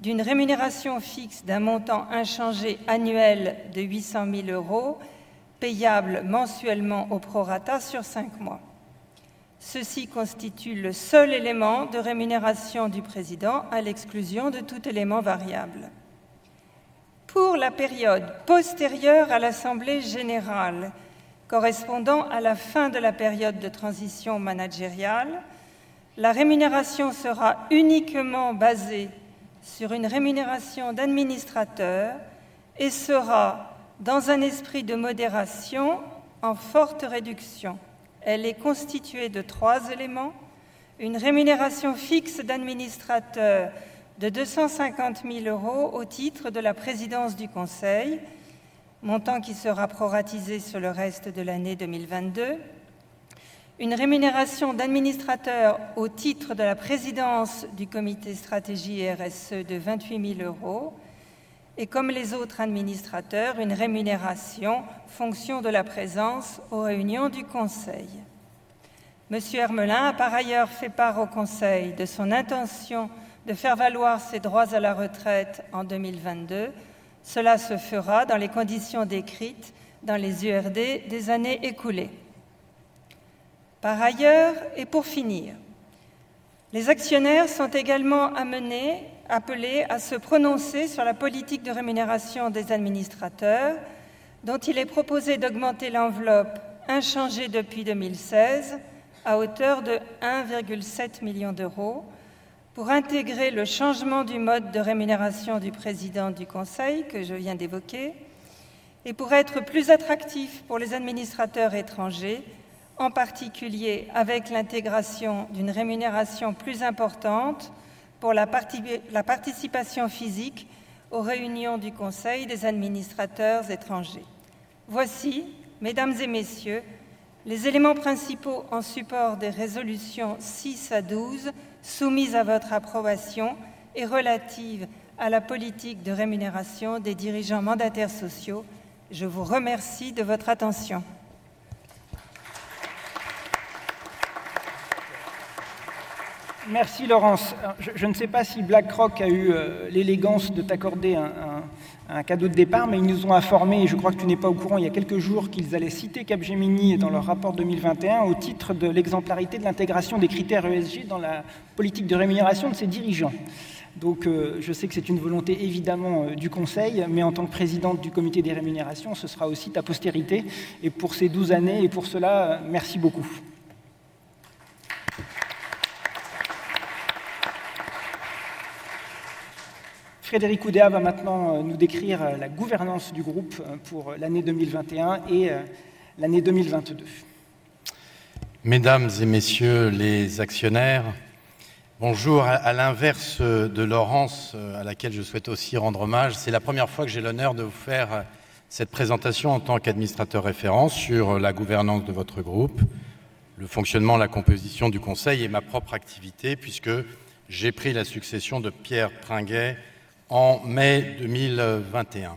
d'une rémunération fixe d'un montant inchangé annuel de 800,000 euros payable mensuellement au prorata sur 5 mois. Ceci constitue le seul élément de rémunération du président à l'exclusion de tout élément variable. Pour la période postérieure à l'assemblée générale correspondant à la fin de la période de transition managériale, la rémunération sera uniquement basée sur une rémunération d'administrateur et sera, dans un esprit de modération, en forte réduction. Elle est constituée de trois éléments. Une rémunération fixe d'administrateur de 250,000 euros au titre de la présidence du Conseil, montant qui sera proratisé sur le reste de l'année 2022, une rémunération d'administrateur au titre de la présidence du comité stratégie RSE de EUR 28,000 et comme les autres administrateurs, une rémunération fonction de la présence aux réunions du Conseil. Monsieur Hermelin a par ailleurs fait part au Conseil de son intention de faire valoir ses droits à la retraite en 2022. Cela se fera dans les conditions décrites dans les URD des années écoulées. Par ailleurs et pour finir, les actionnaires sont également amenés, appelés à se prononcer sur la politique de rémunération des administrateurs dont il est proposé d'augmenter l'enveloppe inchangée depuis 2016 à hauteur de 1.7 million pour intégrer le changement du mode de rémunération du président du Conseil que je viens d'évoquer et pour être plus attractif pour les administrateurs étrangers, en particulier avec l'intégration d'une rémunération plus importante pour la participation physique aux réunions du Conseil des administrateurs étrangers. Voici, Mesdames et Messieurs, les éléments principaux en support des résolutions 6-12 soumises à votre approbation et relatives à la politique de rémunération des dirigeants mandataires sociaux. Je vous remercie de votre attention. Merci Laurence. Je ne sais pas si BlackRock a eu l'élégance de t'accorder un cadeau de départ, mais ils nous ont informés, et je crois que tu n'es pas au courant il y a quelques jours, qu'ils allaient citer Capgemini dans leur rapport 2021 au titre de l'exemplarité de l'intégration des critères ESG dans la politique de rémunération de ses dirigeants. Donc, je sais que c'est une volonté évidemment du conseil, mais en tant que présidente du comité des rémunérations, ce sera aussi ta postérité. Pour ces douze années et pour cela, merci beaucoup. Frédéric Oudéa va maintenant nous décrire la gouvernance du groupe pour l'année 2021 et l'année 2022. Mesdames et Messieurs les actionnaires, bonjour. À l'inverse de Laurence, à laquelle je souhaite aussi rendre hommage, c'est la première fois que j'ai l'honneur de vous faire cette présentation en tant qu'administrateur référent sur la gouvernance de votre groupe, le fonctionnement, la composition du conseil et ma propre activité puisque j'ai pris la succession de Pierre Pringuet en mai 2021.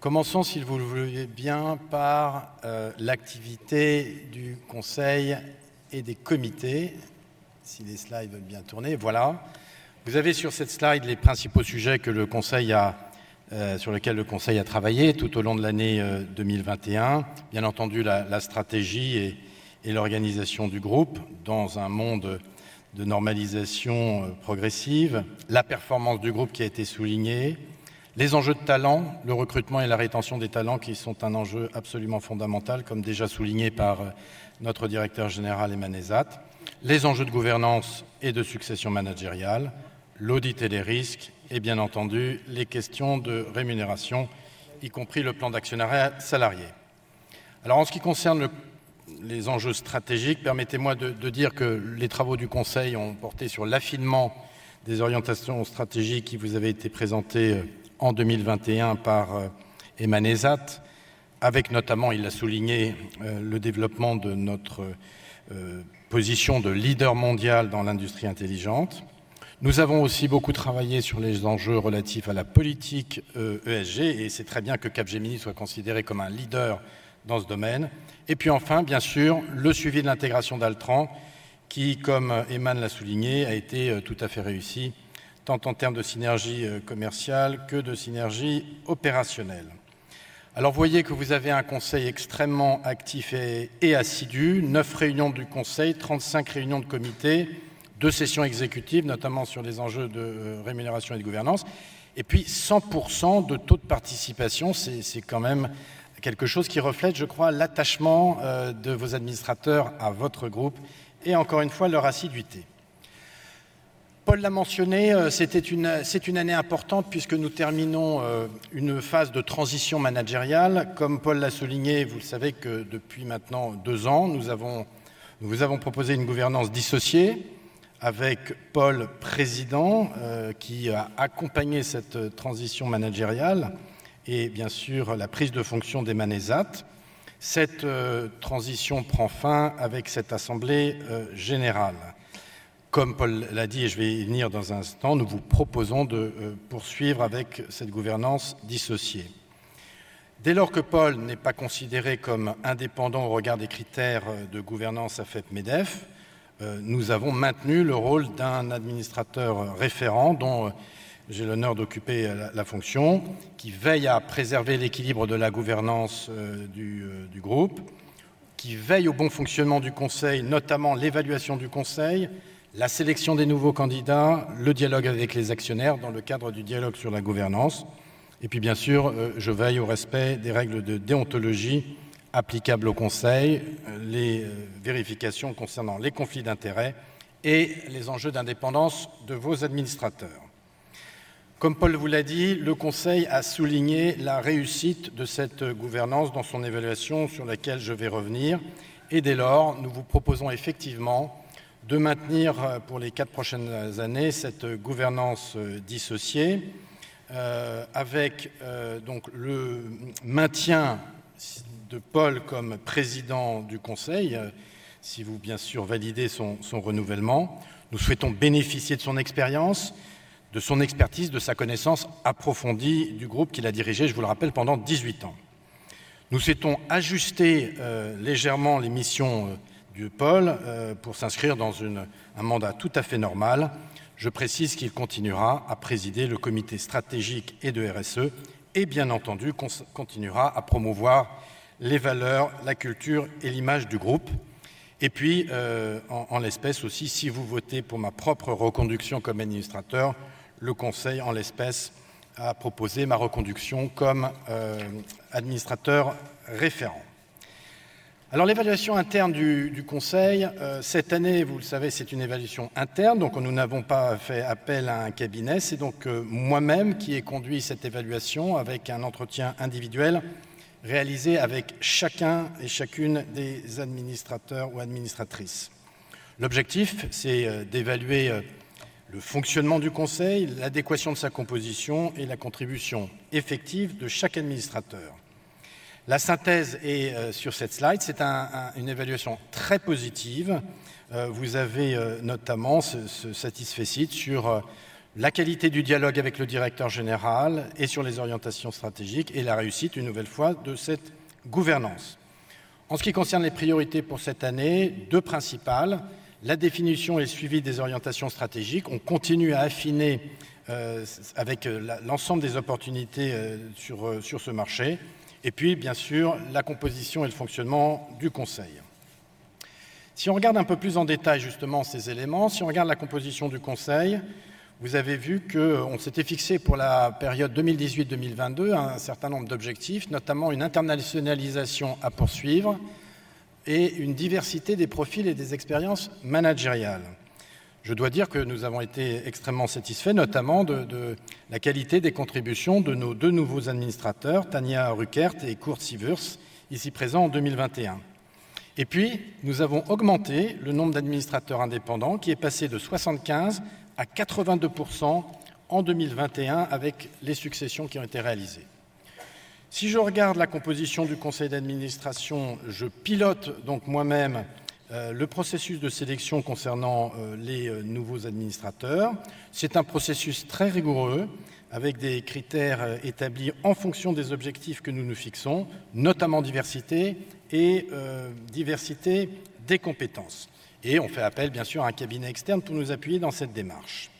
Commençons, si vous le voulez bien, par l'activité du conseil et des comités. Si les slides veulent bien tourner. Voilà. Vous avez sur cette slide les principaux sujets sur lesquels le conseil a travaillé tout au long de l'année 2021. Bien entendu, la stratégie et l'organisation du groupe dans un monde de normalisation progressive, la performance du groupe qui a été soulignée, les enjeux de talents, le recrutement et la rétention des talents qui sont un enjeu absolument fondamental, comme déjà souligné par notre directeur général, Aiman Ezzat, les enjeux de gouvernance et de succession managériale, l'audit et les risques et bien entendu les questions de rémunération, y compris le plan d'actionnariat salarié. En ce qui concerne les enjeux stratégiques, permettez-moi de dire que les travaux du Conseil ont porté sur l'affinement des orientations stratégiques qui vous avaient été présentées en 2021 par Aiman Ezzat, avec notamment, il l'a souligné, le développement de notre position de leader mondial dans l'industrie intelligente. Nous avons aussi beaucoup travaillé sur les enjeux relatifs à la politique ESG et c'est très bien que Capgemini soit considéré comme un leader dans ce domaine. Puis enfin, bien sûr, le suivi de l'intégration d'Altran qui, comme Aiman l'a souligné, a été tout à fait réussi, tant en termes de synergies commerciales que de synergies opérationnelles. Vous voyez que vous avez un conseil extrêmement actif et assidu. 9 réunions du conseil, 35 réunions de comité, 2 sessions exécutives, notamment sur des enjeux de rémunération et de gouvernance. Puis 100% de taux de participation, c'est quand même quelque chose qui reflète, je crois, l'attachement de vos administrateurs à votre groupe et encore une fois leur assiduité. Paul l'a mentionné, c'est une année importante puisque nous terminons une phase de transition managériale. Comme Paul l'a souligné, vous le savez que depuis maintenant deux ans, nous vous avons proposé une gouvernance dissociée avec Paul, président, qui a accompagné cette transition managériale et bien sûr la prise de fonction d'Aiman Ezzat. Cette transition prend fin avec cette assemblée générale. Comme Paul l'a dit et je vais y venir dans un instant, nous vous proposons de poursuivre avec cette gouvernance dissociée. Dès lors que Paul n'est pas considéré comme indépendant au regard des critères de gouvernance AFEP-MEDEF, nous avons maintenu le rôle d'un administrateur référent, dont j'ai l'honneur d'occuper la fonction, qui veille à préserver l'équilibre de la gouvernance du groupe, qui veille au bon fonctionnement du conseil, notamment l'évaluation du conseil, la sélection des nouveaux candidats, le dialogue avec les actionnaires dans le cadre du dialogue sur la gouvernance. Puis bien sûr, je veille au respect des règles de déontologie applicables au conseil, les vérifications concernant les conflits d'intérêts et les enjeux d'indépendance de vos administrateurs. Comme Paul vous l'a dit, le conseil a souligné la réussite de cette gouvernance dans son évaluation sur laquelle je vais revenir. Dès lors, nous vous proposons effectivement de maintenir pour les 4 prochaines années cette gouvernance dissociée, avec donc le maintien de Paul comme président du conseil. Si vous, bien sûr, validez son renouvellement, nous souhaitons bénéficier de son expérience, de son expertise, de sa connaissance approfondie du groupe qu'il a dirigé, je vous le rappelle, pendant 18 ans. Nous souhaitons ajuster légèrement les missions de Paul pour s'inscrire dans un mandat tout à fait normal. Je précise qu'il continuera à présider le comité stratégique et de RSE et bien entendu, continuera à promouvoir les valeurs, la culture et l'image du groupe. En l'espèce aussi, si vous votez pour ma propre reconduction comme administrateur, le conseil, en l'espèce, a proposé ma reconduction comme administrateur référent. L'évaluation interne du conseil, cette année, vous le savez, c'est une évaluation interne, donc nous n'avons pas fait appel à un cabinet. C'est donc moi-même qui ai conduit cette évaluation avec un entretien individuel réalisé avec chacun et chacune des administrateurs ou administratrices. L'objectif, c'est d'évaluer le fonctionnement du conseil, l'adéquation de sa composition et la contribution effective de chaque administrateur. La synthèse est sur cette slide. C'est une évaluation très positive. Vous avez notamment ce satisfecit sur la qualité du dialogue avec le directeur général et sur les orientations stratégiques et la réussite, une nouvelle fois, de cette gouvernance. En ce qui concerne les priorités pour cette année, deux principales, la définition et le suivi des orientations stratégiques. On continue à affiner avec l'ensemble des opportunités sur ce marché. Puis, bien sûr, la composition et le fonctionnement du conseil. Si on regarde un peu plus en détail, justement, ces éléments, la composition du conseil, vous avez vu qu'on s'était fixé pour la période 2018, 2022 un certain nombre d'objectifs, notamment une internationalisation à poursuivre et une diversité des profils et des expériences managériales. Je dois dire que nous avons été extrêmement satisfaits, notamment de la qualité des contributions de nos deux nouveaux administrateurs, Tanja Rueckert et Kurt Sievers, ici présents en 2021. Puis nous avons augmenté le nombre d'administrateurs indépendants qui est passé de 75 à 82% en 2021 avec les successions qui ont été réalisées. Si je regarde la composition du conseil d'administration, je pilote donc moi-même le processus de sélection concernant les nouveaux administrateurs. C'est un processus très rigoureux avec des critères établis en fonction des objectifs que nous nous fixons, notamment diversité et diversité des compétences. On fait appel bien sûr à un cabinet externe pour nous appuyer dans cette démarche.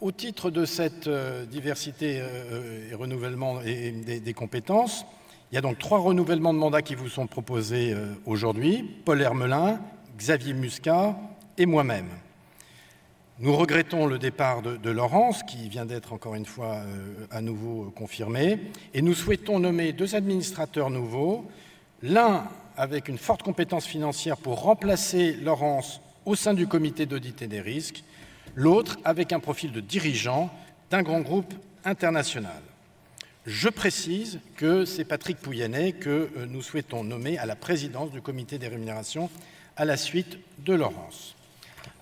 Au titre de cette diversité et renouvellement des compétences, il y a donc trois renouvellements de mandat qui vous sont proposés aujourd'hui, Paul Hermelin, Xavier Musca et moi-même. Nous regrettons le départ de Laurence, qui vient d'être encore une fois à nouveau confirmé et nous souhaitons nommer deux administrateurs nouveaux, l'un avec une forte compétence financière pour remplacer Laurence au sein du comité d'audit et des risques, l'autre avec un profil de dirigeant d'un grand groupe international. Je précise que c'est Patrick Pouyanné que nous souhaitons nommer à la présidence du comité des rémunérations à la suite de Laurence.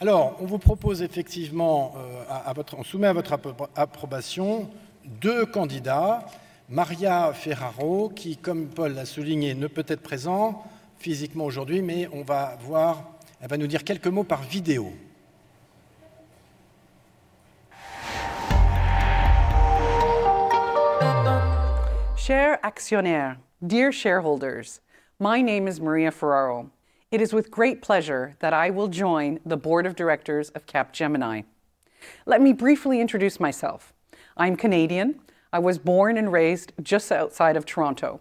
On vous propose effectivement à votre, on soumet à votre approbation deux candidats, Maria Ferraro, qui, comme Paul l'a souligné, ne peut être présent physiquement aujourd'hui, mais on va voir. Elle va nous dire quelques mots par vidéo. Chers actionnaires. Dear shareholders. My name is Maria Ferraro. It is with great pleasure that I will join the Board of Directors of Capgemini. Let me briefly introduce myself. I'm Canadian. I was born and raised just outside of Toronto.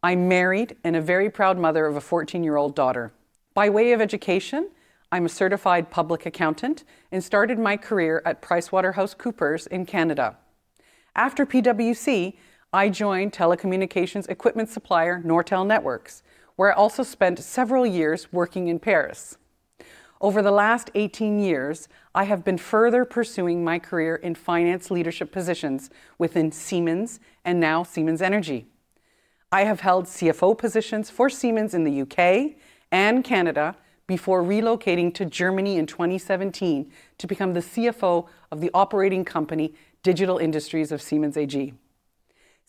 I'm married and a very proud mother of a 14-year-old daughter. By way of education, I'm a certified public accountant and started my career at PricewaterhouseCoopers in Canada. After PwC, I joined telecommunications equipment supplier Nortel Networks, where I also spent several years working in Paris. Over the last 18 years, I have been further pursuing my career in finance leadership positions within Siemens and now Siemens Energy. I have held CFO positions for Siemens in the U.K. and Canada before relocating to Germany in 2017 to become the CFO of the operating company Digital Industries of Siemens AG.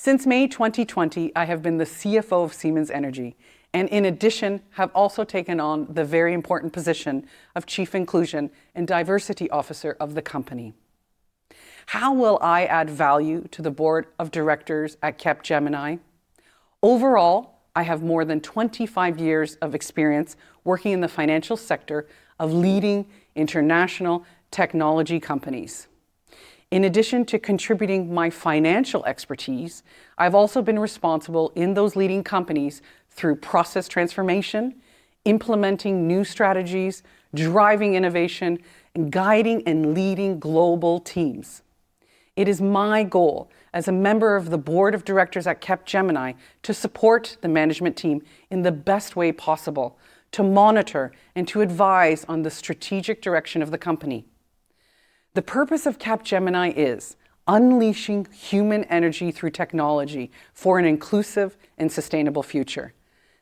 Since May 2020, I have been the CFO of Siemens Energy and in addition have also taken on the very important position of Chief Inclusion and Diversity Officer of the company. How will I add value to the Board of Directors at Capgemini? Overall, I have more than 25 years of experience working in the financial sector of leading international technology companies. In addition to contributing my financial expertise, I've also been responsible in those leading companies through process transformation, implementing new strategies, driving innovation, and guiding and leading global teams. It is my goal as a member of the Board of Directors at Capgemini to support the management team in the best way possible, to monitor and to advise on the strategic direction of the company. The purpose of Capgemini is unleashing human energy through technology for an inclusive and sustainable future.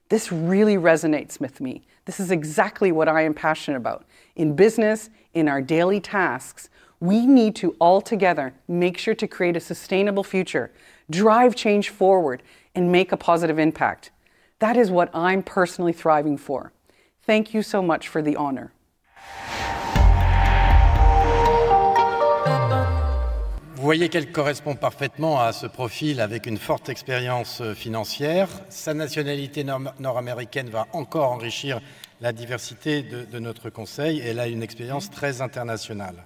This really resonates with me. This is exactly what I am passionate about. In business, in our daily tasks, we need to all together make sure to create a sustainable future, drive change forward, and make a positive impact. That is what I'm personally thriving for. Thank you so much for the honor. Vous voyez qu'elle correspond parfaitement à ce profil avec une forte expérience financière. Sa nationalité nord-américaine va encore enrichir la diversité de notre conseil. Elle a une expérience très internationale.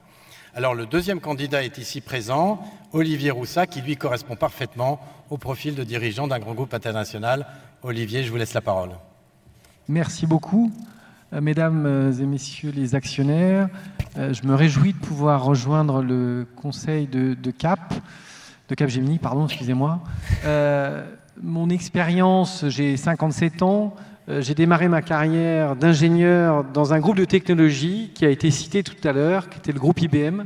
Alors le deuxième candidat est ici présent, Olivier Roussat, qui lui correspond parfaitement au profil de dirigeant d'un grand groupe international. Olivier, je vous laisse la parole. Merci beaucoup. Mesdames et Messieurs les actionnaires, je me réjouis de pouvoir rejoindre le conseil de Capgemini. Mon expérience, j'ai 57 ans. J'ai démarré ma carrière d'ingénieur dans un groupe de technologie qui a été cité tout à l'heure, qui était le groupe IBM.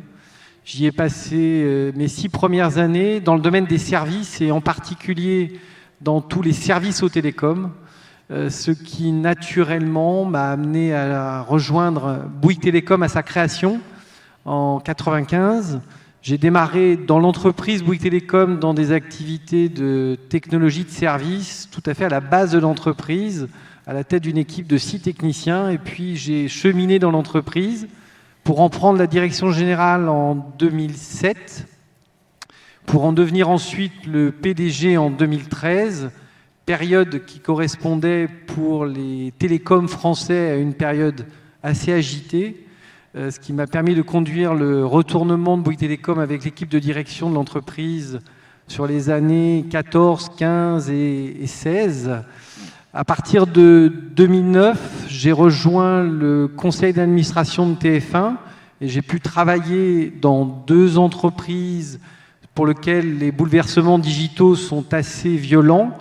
J'y ai passé mes six premières années dans le domaine des services et en particulier dans tous les services aux télécoms, ce qui naturellement m'a amené à rejoindre Bouygues Telecom à sa création en 1995. J'ai démarré dans l'entreprise Bouygues Telecom dans des activités de technologies de service, tout à fait à la base de l'entreprise, à la tête d'une équipe de six techniciens. J'ai cheminé dans l'entreprise pour en prendre la direction générale en 2007, pour en devenir ensuite le PDG en 2013, période qui correspondait pour les télécoms français à une période assez agitée, ce qui m'a permis de conduire le retournement de Bouygues Telecom avec l'équipe de direction de l'entreprise sur les années 2014, 2015 et 2016. À partir de 2009, j'ai rejoint le conseil d'administration de TF1 et j'ai pu travailler dans deux entreprises pour lesquelles les bouleversements digitaux sont assez violents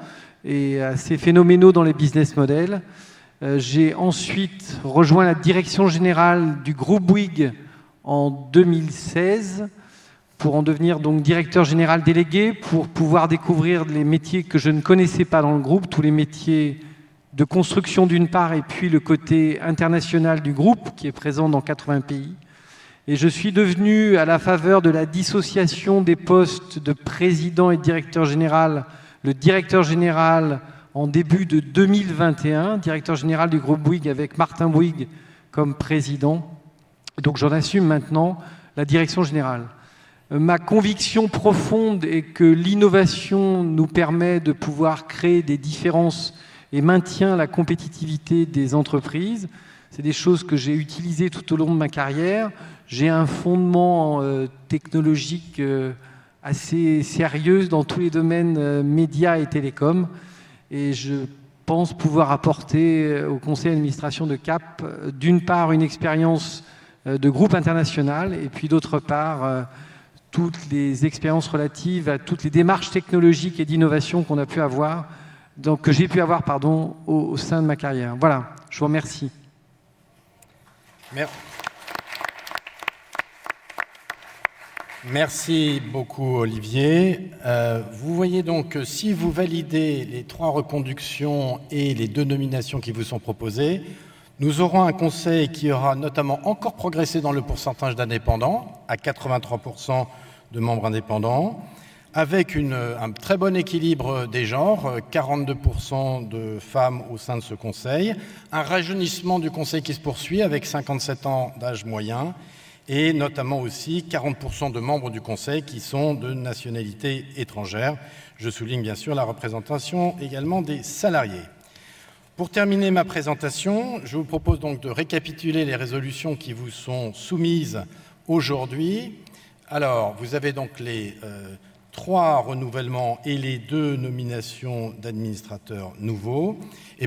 et assez phénoménaux dans les business models. J'ai ensuite rejoint la direction générale du groupe Bouygues en 2016 pour en devenir donc directeur général délégué, pour pouvoir découvrir les métiers que je ne connaissais pas dans le groupe, tous les métiers de construction d'une part, et puis le côté international du groupe qui est présent dans 80 pays. Je suis devenu, à la faveur de la dissociation des postes de président et directeur général, le directeur général en début de 2021, directeur général du groupe Bouygues avec Martin Bouygues comme président. Donc, j'en assume maintenant la direction générale. Ma conviction profonde est que l'innovation nous permet de pouvoir créer des différences et maintient la compétitivité des entreprises. C'est des choses que j'ai utilisées tout au long de ma carrière. J'ai un fondement technologique assez sérieux dans tous les domaines médias et télécoms et je pense pouvoir apporter au conseil d'administration de Cap, d'une part une expérience de groupe international et puis d'autre part, toutes les expériences relatives à toutes les démarches technologiques et d'innovation que j'ai pu avoir, pardon, au sein de ma carrière. Voilà, je vous remercie. Merci beaucoup Olivier. Vous voyez donc si vous validez les 3 reconductions et les 2 nominations qui vous sont proposées, nous aurons un conseil qui aura notamment encore progressé dans le pourcentage d'indépendants à 83% de membres indépendants avec un très bon équilibre des genres, 42% de femmes au sein de ce conseil, un rajeunissement du conseil qui se poursuit avec 57 ans d'âge moyen et notamment aussi 40% de membres du conseil qui sont de nationalité étrangère. Je souligne bien sûr la représentation également des salariés. Pour terminer ma présentation, je vous propose donc de récapituler les résolutions qui vous sont soumises aujourd'hui. Vous avez donc les trois renouvellements et les deux nominations d'administrateurs nouveaux.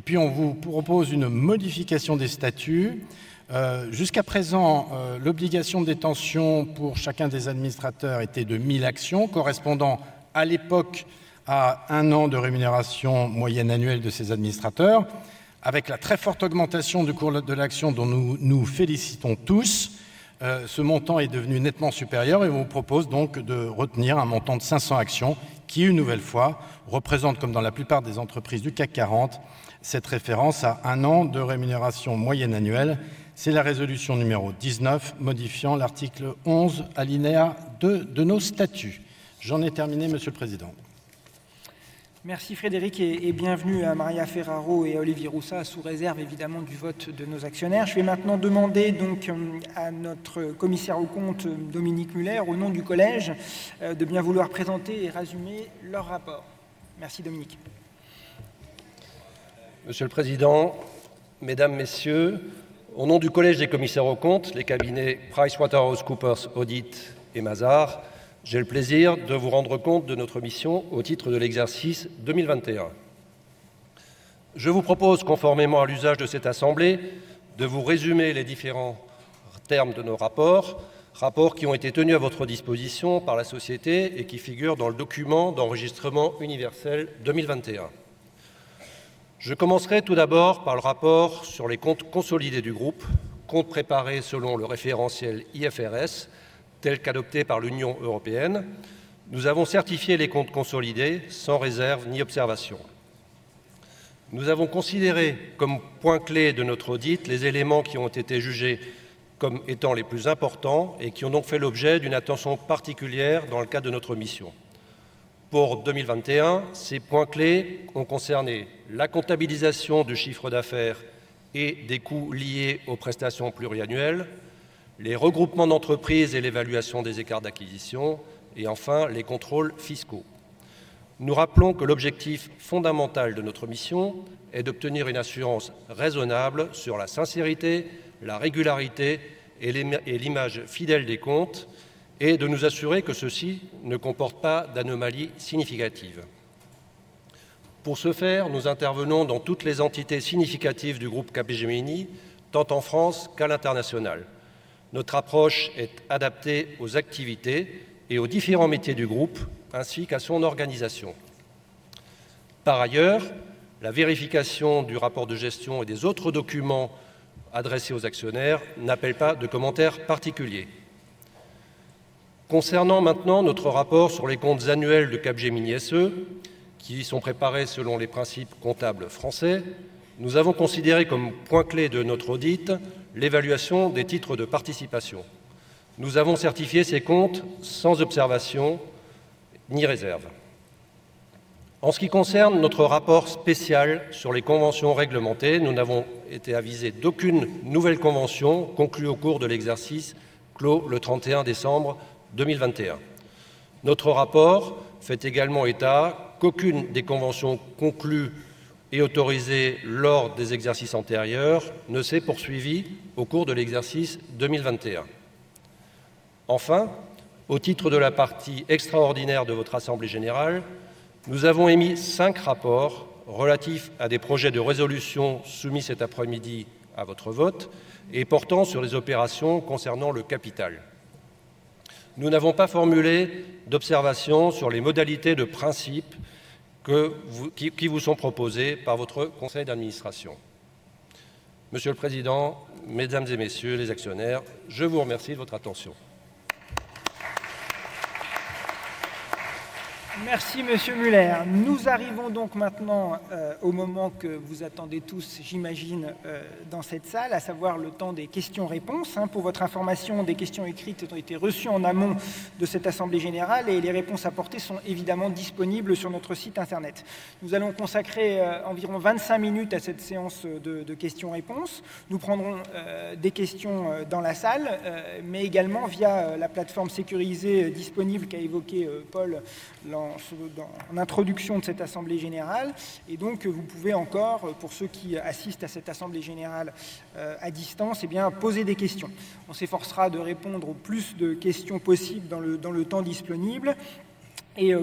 Puis, on vous propose une modification des statuts. Jusqu'à présent, l'obligation de détention pour chacun des administrateurs était de 1,000 actions, correspondant à l'époque à 1 an de rémunération moyenne annuelle de ces administrateurs. Avec la très forte augmentation du cours de l'action dont nous nous félicitons tous, ce montant est devenu nettement supérieur et on vous propose donc de retenir un montant de 500 actions qui, une nouvelle fois, représente, comme dans la plupart des entreprises du CAC 40, cette référence à 1 an de rémunération moyenne annuelle. C'est la résolution numéro 19 modifiant l'article 11 alinéa 2 de nos statuts. J'en ai terminé, Monsieur le Président. Merci Frédéric et bienvenue à Maria Ferraro et Olivier Roussat, sous réserve évidemment du vote de nos actionnaires. Je vais maintenant demander donc à notre commissaire aux comptes Dominique Müller, au nom du Collège, de bien vouloir présenter et résumer leur rapport. Merci Dominique. Monsieur le Président, Mesdames, Messieurs, au nom du Collège des commissaires aux comptes, les cabinets PricewaterhouseCoopers Audit et Mazars, j'ai le plaisir de vous rendre compte de notre mission au titre de l'exercice 2021. Je vous propose, conformément à l'usage de cette assemblée, de vous résumer les différents termes de nos rapports. Rapports qui ont été tenus à votre disposition par la société et qui figurent dans le document d'enregistrement universel 2021. Je commencerai tout d'abord par le rapport sur les comptes consolidés du groupe, comptes préparés selon le référentiel IFRS, tel qu'adopté par l'Union européenne. Nous avons certifié les comptes consolidés sans réserve ni observation. Nous avons considéré comme points clés de notre audit les éléments qui ont été jugés comme étant les plus importants et qui ont donc fait l'objet d'une attention particulière dans le cadre de notre mission. Pour 2021, ces points clés ont concerné la comptabilisation du chiffre d'affaires et des coûts liés aux prestations pluriannuelles, les regroupements d'entreprises et l'évaluation des écarts d'acquisition et enfin les contrôles fiscaux. Nous rappelons que l'objectif fondamental de notre mission est d'obtenir une assurance raisonnable sur la sincérité, la régularité et l'image fidèle des comptes, et de nous assurer que ceux-ci ne comportent pas d'anomalies significatives. Pour ce faire, nous intervenons dans toutes les entités significatives du groupe Capgemini, tant en France qu'à l'international. Notre approche est adaptée aux activités et aux différents métiers du groupe, ainsi qu'à son organisation. Par ailleurs, la vérification du rapport de gestion et des autres documents adressés aux actionnaires n'appelle pas de commentaires particuliers. Concernant maintenant notre rapport sur les comptes annuels de Capgemini SE, qui sont préparés selon les principes comptables français, nous avons considéré comme points clés de notre audit l'évaluation des titres de participation. Nous avons certifié ces comptes sans observation ni réserve. En ce qui concerne notre rapport spécial sur les conventions réglementées, nous n'avons été avisés d'aucune nouvelle convention conclue au cours de l'exercice clos le trente-et-un décembre deux mille vingt et un. Notre rapport fait également état qu'aucune des conventions conclues et autorisées lors des exercices antérieurs ne s'est poursuivie au cours de l'exercice deux mille vingt et un. Enfin, au titre de la partie extraordinaire de votre assemblée générale, nous avons émis cinq rapports relatifs à des projets de résolution soumis cet après-midi à votre vote et portant sur les opérations concernant le capital. Nous n'avons pas formulé d'observation sur les modalités de principe que vous, qui vous sont proposées par votre conseil d'administration. Monsieur le Président, Mesdames et Messieurs les actionnaires, je vous remercie de votre attention. Merci Monsieur Müller. Nous arrivons donc maintenant au moment que vous attendez tous, j'imagine, dans cette salle, à savoir le temps des questions-réponses, hein. Pour votre information, des questions écrites ont été reçues en amont de cette assemblée générale et les réponses apportées sont évidemment disponibles sur notre site Internet. Nous allons consacrer environ 25 minutes à cette séance de questions-réponses. Nous prendrons des questions dans la salle, mais également via la plateforme sécurisée disponible qu'a évoquée Paul Hermelin dans l'introduction de cette assemblée générale. Vous pouvez encore, pour ceux qui assistent à cette assemblée générale à distance, poser des questions. On s'efforcera de répondre au plus de questions possible dans le temps disponible.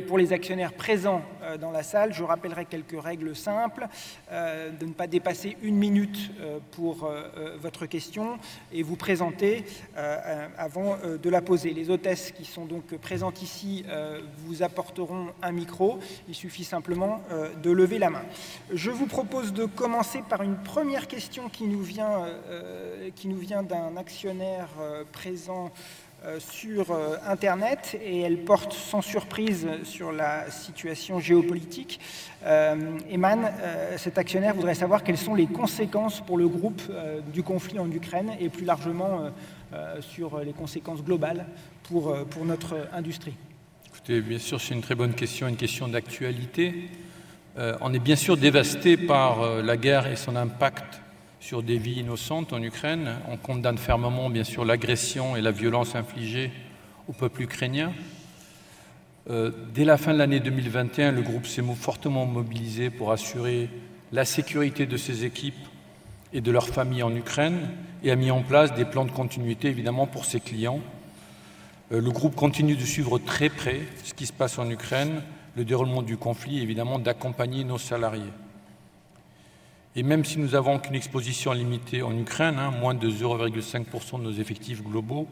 Pour les actionnaires présents dans la salle, je rappellerai quelques règles simples de ne pas dépasser une minute pour votre question et vous présenter avant de la poser. Les hôtesses qui sont donc présentes ici vous apporteront un micro. Il suffit simplement de lever la main. Je vous propose de commencer par une première question qui nous vient d'un actionnaire présent sur Internet et elle porte sans surprise sur la situation géopolitique. Aiman, cet actionnaire voudrait savoir quelles sont les conséquences pour le groupe du conflit en Ukraine et plus largement sur les conséquences globales pour notre industrie. Écoutez, bien sûr, c'est une très bonne question, une question d'actualité. On est bien sûr dévastés par la guerre et son impact sur des vies innocentes en Ukraine. On condamne fermement, bien sûr, l'agression et la violence infligée au peuple ukrainien. Dès la fin de l'année 2021, le groupe s'est fortement mobilisé pour assurer la sécurité de ses équipes et de leurs familles en Ukraine et a mis en place des plans de continuité, évidemment, pour ses clients. Le groupe continue de suivre très près ce qui se passe en Ukraine, le déroulement du conflit et évidemment d'accompagner nos salariés. Même si nous avons qu'une exposition limitée en Ukraine, moins de 0.5% de nos effectifs globaux,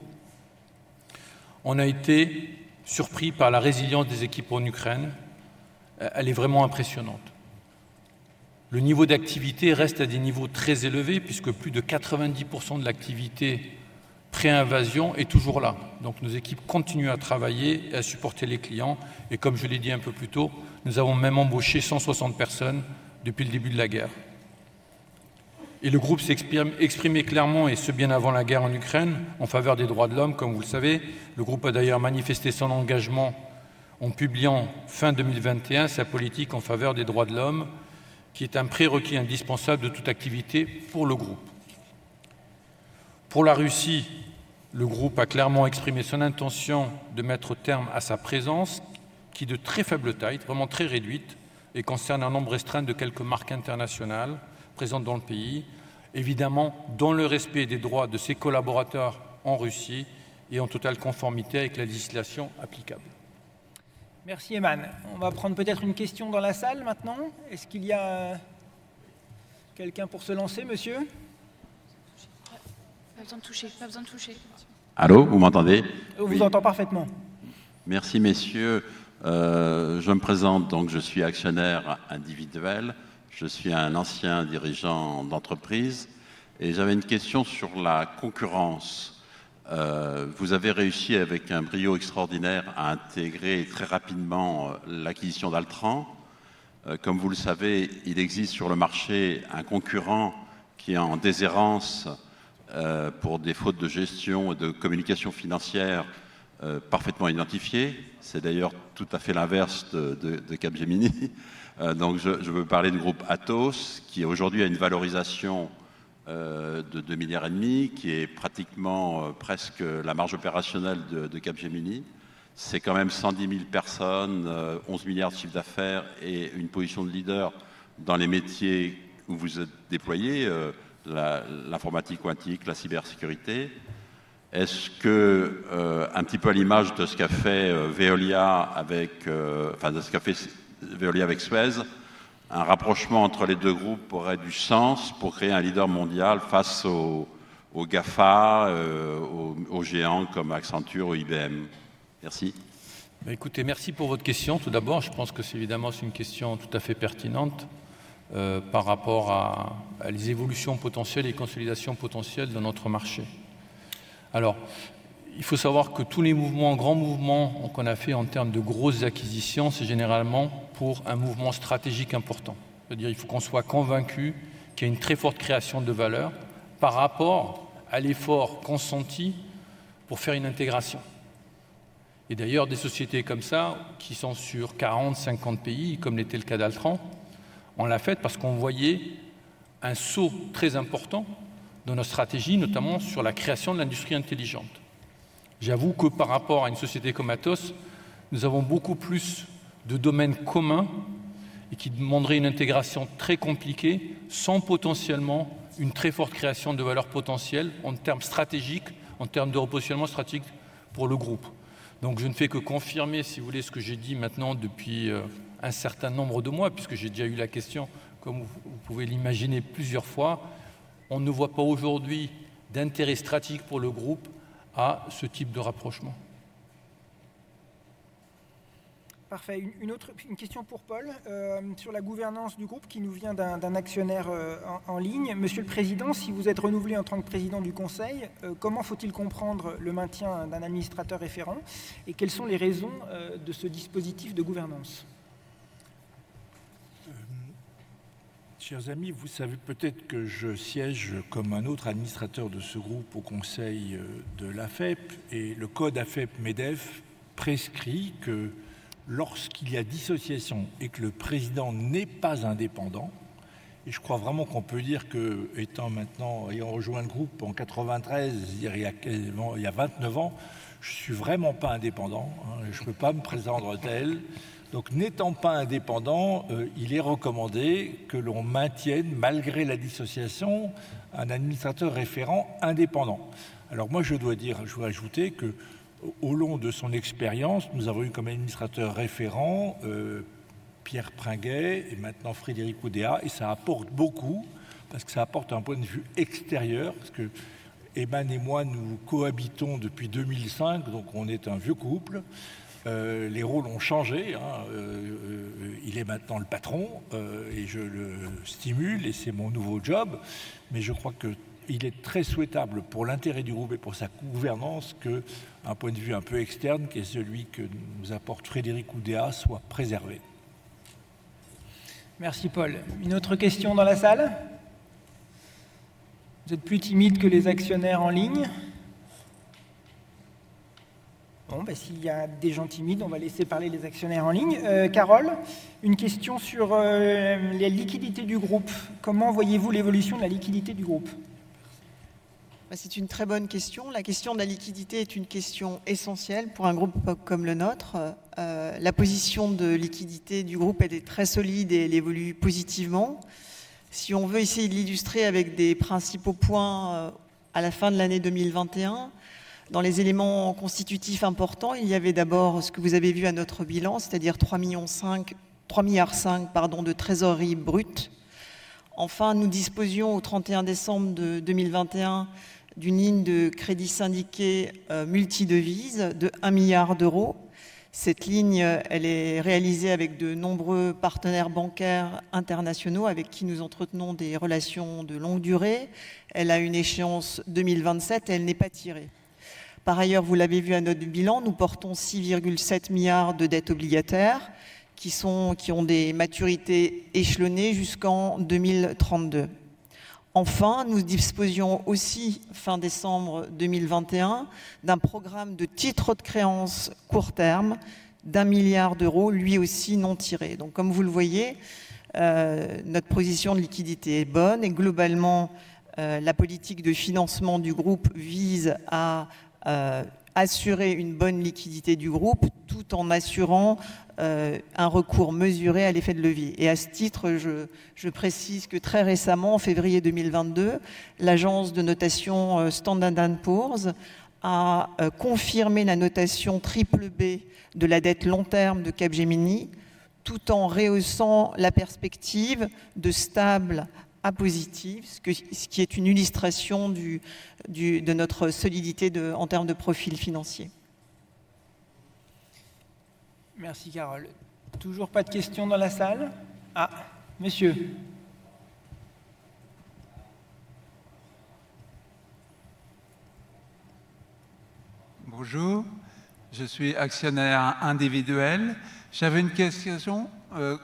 on a été surpris par la résilience des équipes en Ukraine. Elle est vraiment impressionnante. Le niveau d'activité reste à des niveaux très élevés puisque plus de 90% de l'activité pré-invasion est toujours là. Nos équipes continuent à travailler et à supporter les clients. Comme je l'ai dit un peu plus tôt, nous avons même embauché 160 personnes depuis le début de la guerre. Le groupe exprimait clairement, et ce bien avant la guerre en Ukraine, en faveur des droits de l'homme, comme vous le savez. Le groupe a d'ailleurs manifesté son engagement en publiant fin 2021 sa politique en faveur des droits de l'homme, qui est un prérequis indispensable de toute activité pour le groupe. Pour la Russie, le groupe a clairement exprimé son intention de mettre terme à sa présence, qui est de très faible taille, vraiment très réduite, et concerne un nombre restreint de quelques marques internationales présentes dans le pays, évidemment dans le respect des droits de ses collaborateurs en Russie et en totale conformité avec la législation applicable. Merci Aiman. On va prendre peut-être une question dans la salle maintenant. Est-ce qu'il y a quelqu'un pour se lancer, Monsieur? Pas besoin de toucher. Allô, vous m'entendez? On vous entend parfaitement. Merci messieurs. Je me présente donc je suis actionnaire individuel. Je suis un ancien dirigeant d'entreprise et j'avais une question sur la concurrence. Vous avez réussi avec un brio extraordinaire à intégrer très rapidement l'acquisition d'Altran. Comme vous le savez, il existe sur le marché un concurrent qui est en déshérence, pour des fautes de gestion et de communication financière parfaitement identifiées. C'est d'ailleurs tout à fait l'inverse de Capgemini. Je veux parler du groupe Atos, qui aujourd'hui a une valorisation de 2.5 billion, qui est pratiquement presque la marge opérationnelle de Capgemini. C'est quand même 110,000 personnes, 11 billion de chiffre d'affaires et une position de leader dans les métiers où vous êtes déployés, l'informatique quantique, la cybersécurité. Est-ce que un petit peu à l'image de ce qu'a fait Veolia avec Suez, un rapprochement entre les deux groupes aurait du sens pour créer un leader mondial face aux GAFA, aux géants comme Accenture ou IBM? Merci. Écoutez, merci pour votre question. Tout d'abord, je pense que c'est évidemment une question tout à fait pertinente, par rapport aux évolutions potentielles et consolidations potentielles de notre marché. Il faut savoir que tous les mouvements, grands mouvements qu'on a faits en termes de grosses acquisitions, c'est généralement pour un mouvement stratégique important. C'est-à-dire, il faut qu'on soit convaincu qu'il y a une très forte création de valeur par rapport à l'effort consenti pour faire une intégration. D'ailleurs, des sociétés comme ça, qui sont sur 40, 50 pays, comme l'était le cas d'Altran, on l'a faite parce qu'on voyait un saut très important dans notre stratégie, notamment sur la création de l'industrie intelligente. J'avoue que par rapport à une société comme Atos, nous avons beaucoup plus de domaines communs et qui demanderaient une intégration très compliquée, sans potentiellement une très forte création de valeur potentielle en termes stratégiques, en termes de repositionnement stratégique pour le groupe. Donc, je ne fais que confirmer, si vous voulez, ce que j'ai dit maintenant depuis un certain nombre de mois, puisque j'ai déjà eu la question, comme vous pouvez l'imaginer, plusieurs fois. On ne voit pas aujourd'hui d'intérêt stratégique pour le groupe à ce type de rapprochement. Parfait. Une autre question pour Paul sur la gouvernance du groupe qui nous vient d'un actionnaire en ligne. Monsieur le président, si vous êtes renouvelé en tant que président du conseil, comment faut-il comprendre le maintien d'un administrateur référent et quelles sont les raisons de ce dispositif de gouvernance? Chers amis, vous savez peut-être que je siège comme un autre administrateur de ce groupe au Conseil de l'AFEP. Le code AFEP-MEDEF prescrit que lorsqu'il y a dissociation et que le président n'est pas indépendant, et je crois vraiment qu'on peut dire qu'étant maintenant, ayant rejoint le groupe en 1993, c'est-à-dire il y a quasiment, il y a 29 ans, je ne suis vraiment pas indépendant, hein. Je ne peux pas me prétendre tel. Donc n'étant pas indépendant, il est recommandé que l'on maintienne, malgré la dissociation, un administrateur référent indépendant. Alors moi, je dois dire, je dois ajouter qu'au long de son expérience, nous avons eu comme administrateur référent, Pierre Pringuet et maintenant Frédéric Oudéa. Et ça apporte beaucoup parce que ça apporte un point de vue extérieur. Parce qu'Aiman et moi, nous cohabitons depuis 2005, donc on est un vieux couple. Les rôles ont changé, il est maintenant le patron, et je le stimule et c'est mon nouveau job. Je crois qu'il est très souhaitable pour l'intérêt du groupe et pour sa gouvernance qu'un point de vue un peu externe, qui est celui que nous apporte Frédéric Oudéa, soit préservé. Merci Paul. Une autre question dans la salle? Vous êtes plus timides que les actionnaires en ligne. Bon ben s'il y a des gens timides, on va laisser parler les actionnaires en ligne. Carole, une question sur les liquidités du groupe. Comment voyez-vous l'évolution de la liquidité du groupe? C'est une très bonne question. La question de la liquidité est une question essentielle pour un groupe comme le nôtre. La position de liquidité du groupe, elle est très solide et elle évolue positivement. Si on veut essayer de l'illustrer avec des principaux points à la fin de l'année 2021, dans les éléments constitutifs importants, il y avait d'abord ce que vous avez vu à notre bilan, c'est-à-dire 3.5 billion de trésorerie brute. Enfin, nous disposions au trente-et-un décembre de 2021 d'une ligne de crédit syndiqué multidevise de 1 billion. Cette ligne, elle est réalisée avec de nombreux partenaires bancaires internationaux avec qui nous entretenons des relations de longue durée. Elle a une échéance 2027 et elle n'est pas tirée. Par ailleurs, vous l'avez vu à notre bilan, nous portons 6.7 billion de dettes obligataires qui sont, qui ont des maturités échelonnées jusqu'en 2032. Enfin, nous disposions aussi, fin décembre 2021, d'un programme de titres de créances court terme d'EUR 1 billion, lui aussi non tiré. Donc comme vous le voyez, notre position de liquidité est bonne et globalement, la politique de financement du groupe vise à assurer une bonne liquidité du groupe tout en assurant un recours mesuré à l'effet de levier. À ce titre, je précise que très récemment, en février 2022, l'agence de notation Standard & Poor's a confirmé la notation BBB de la dette long terme de Capgemini tout en rehaussant la perspective de stable à positive, ce qui est une illustration de notre solidité en termes de profil financier. Merci Carole. Toujours pas de questions dans la salle? Monsieur. Bonjour, je suis actionnaire individuel. J'avais une question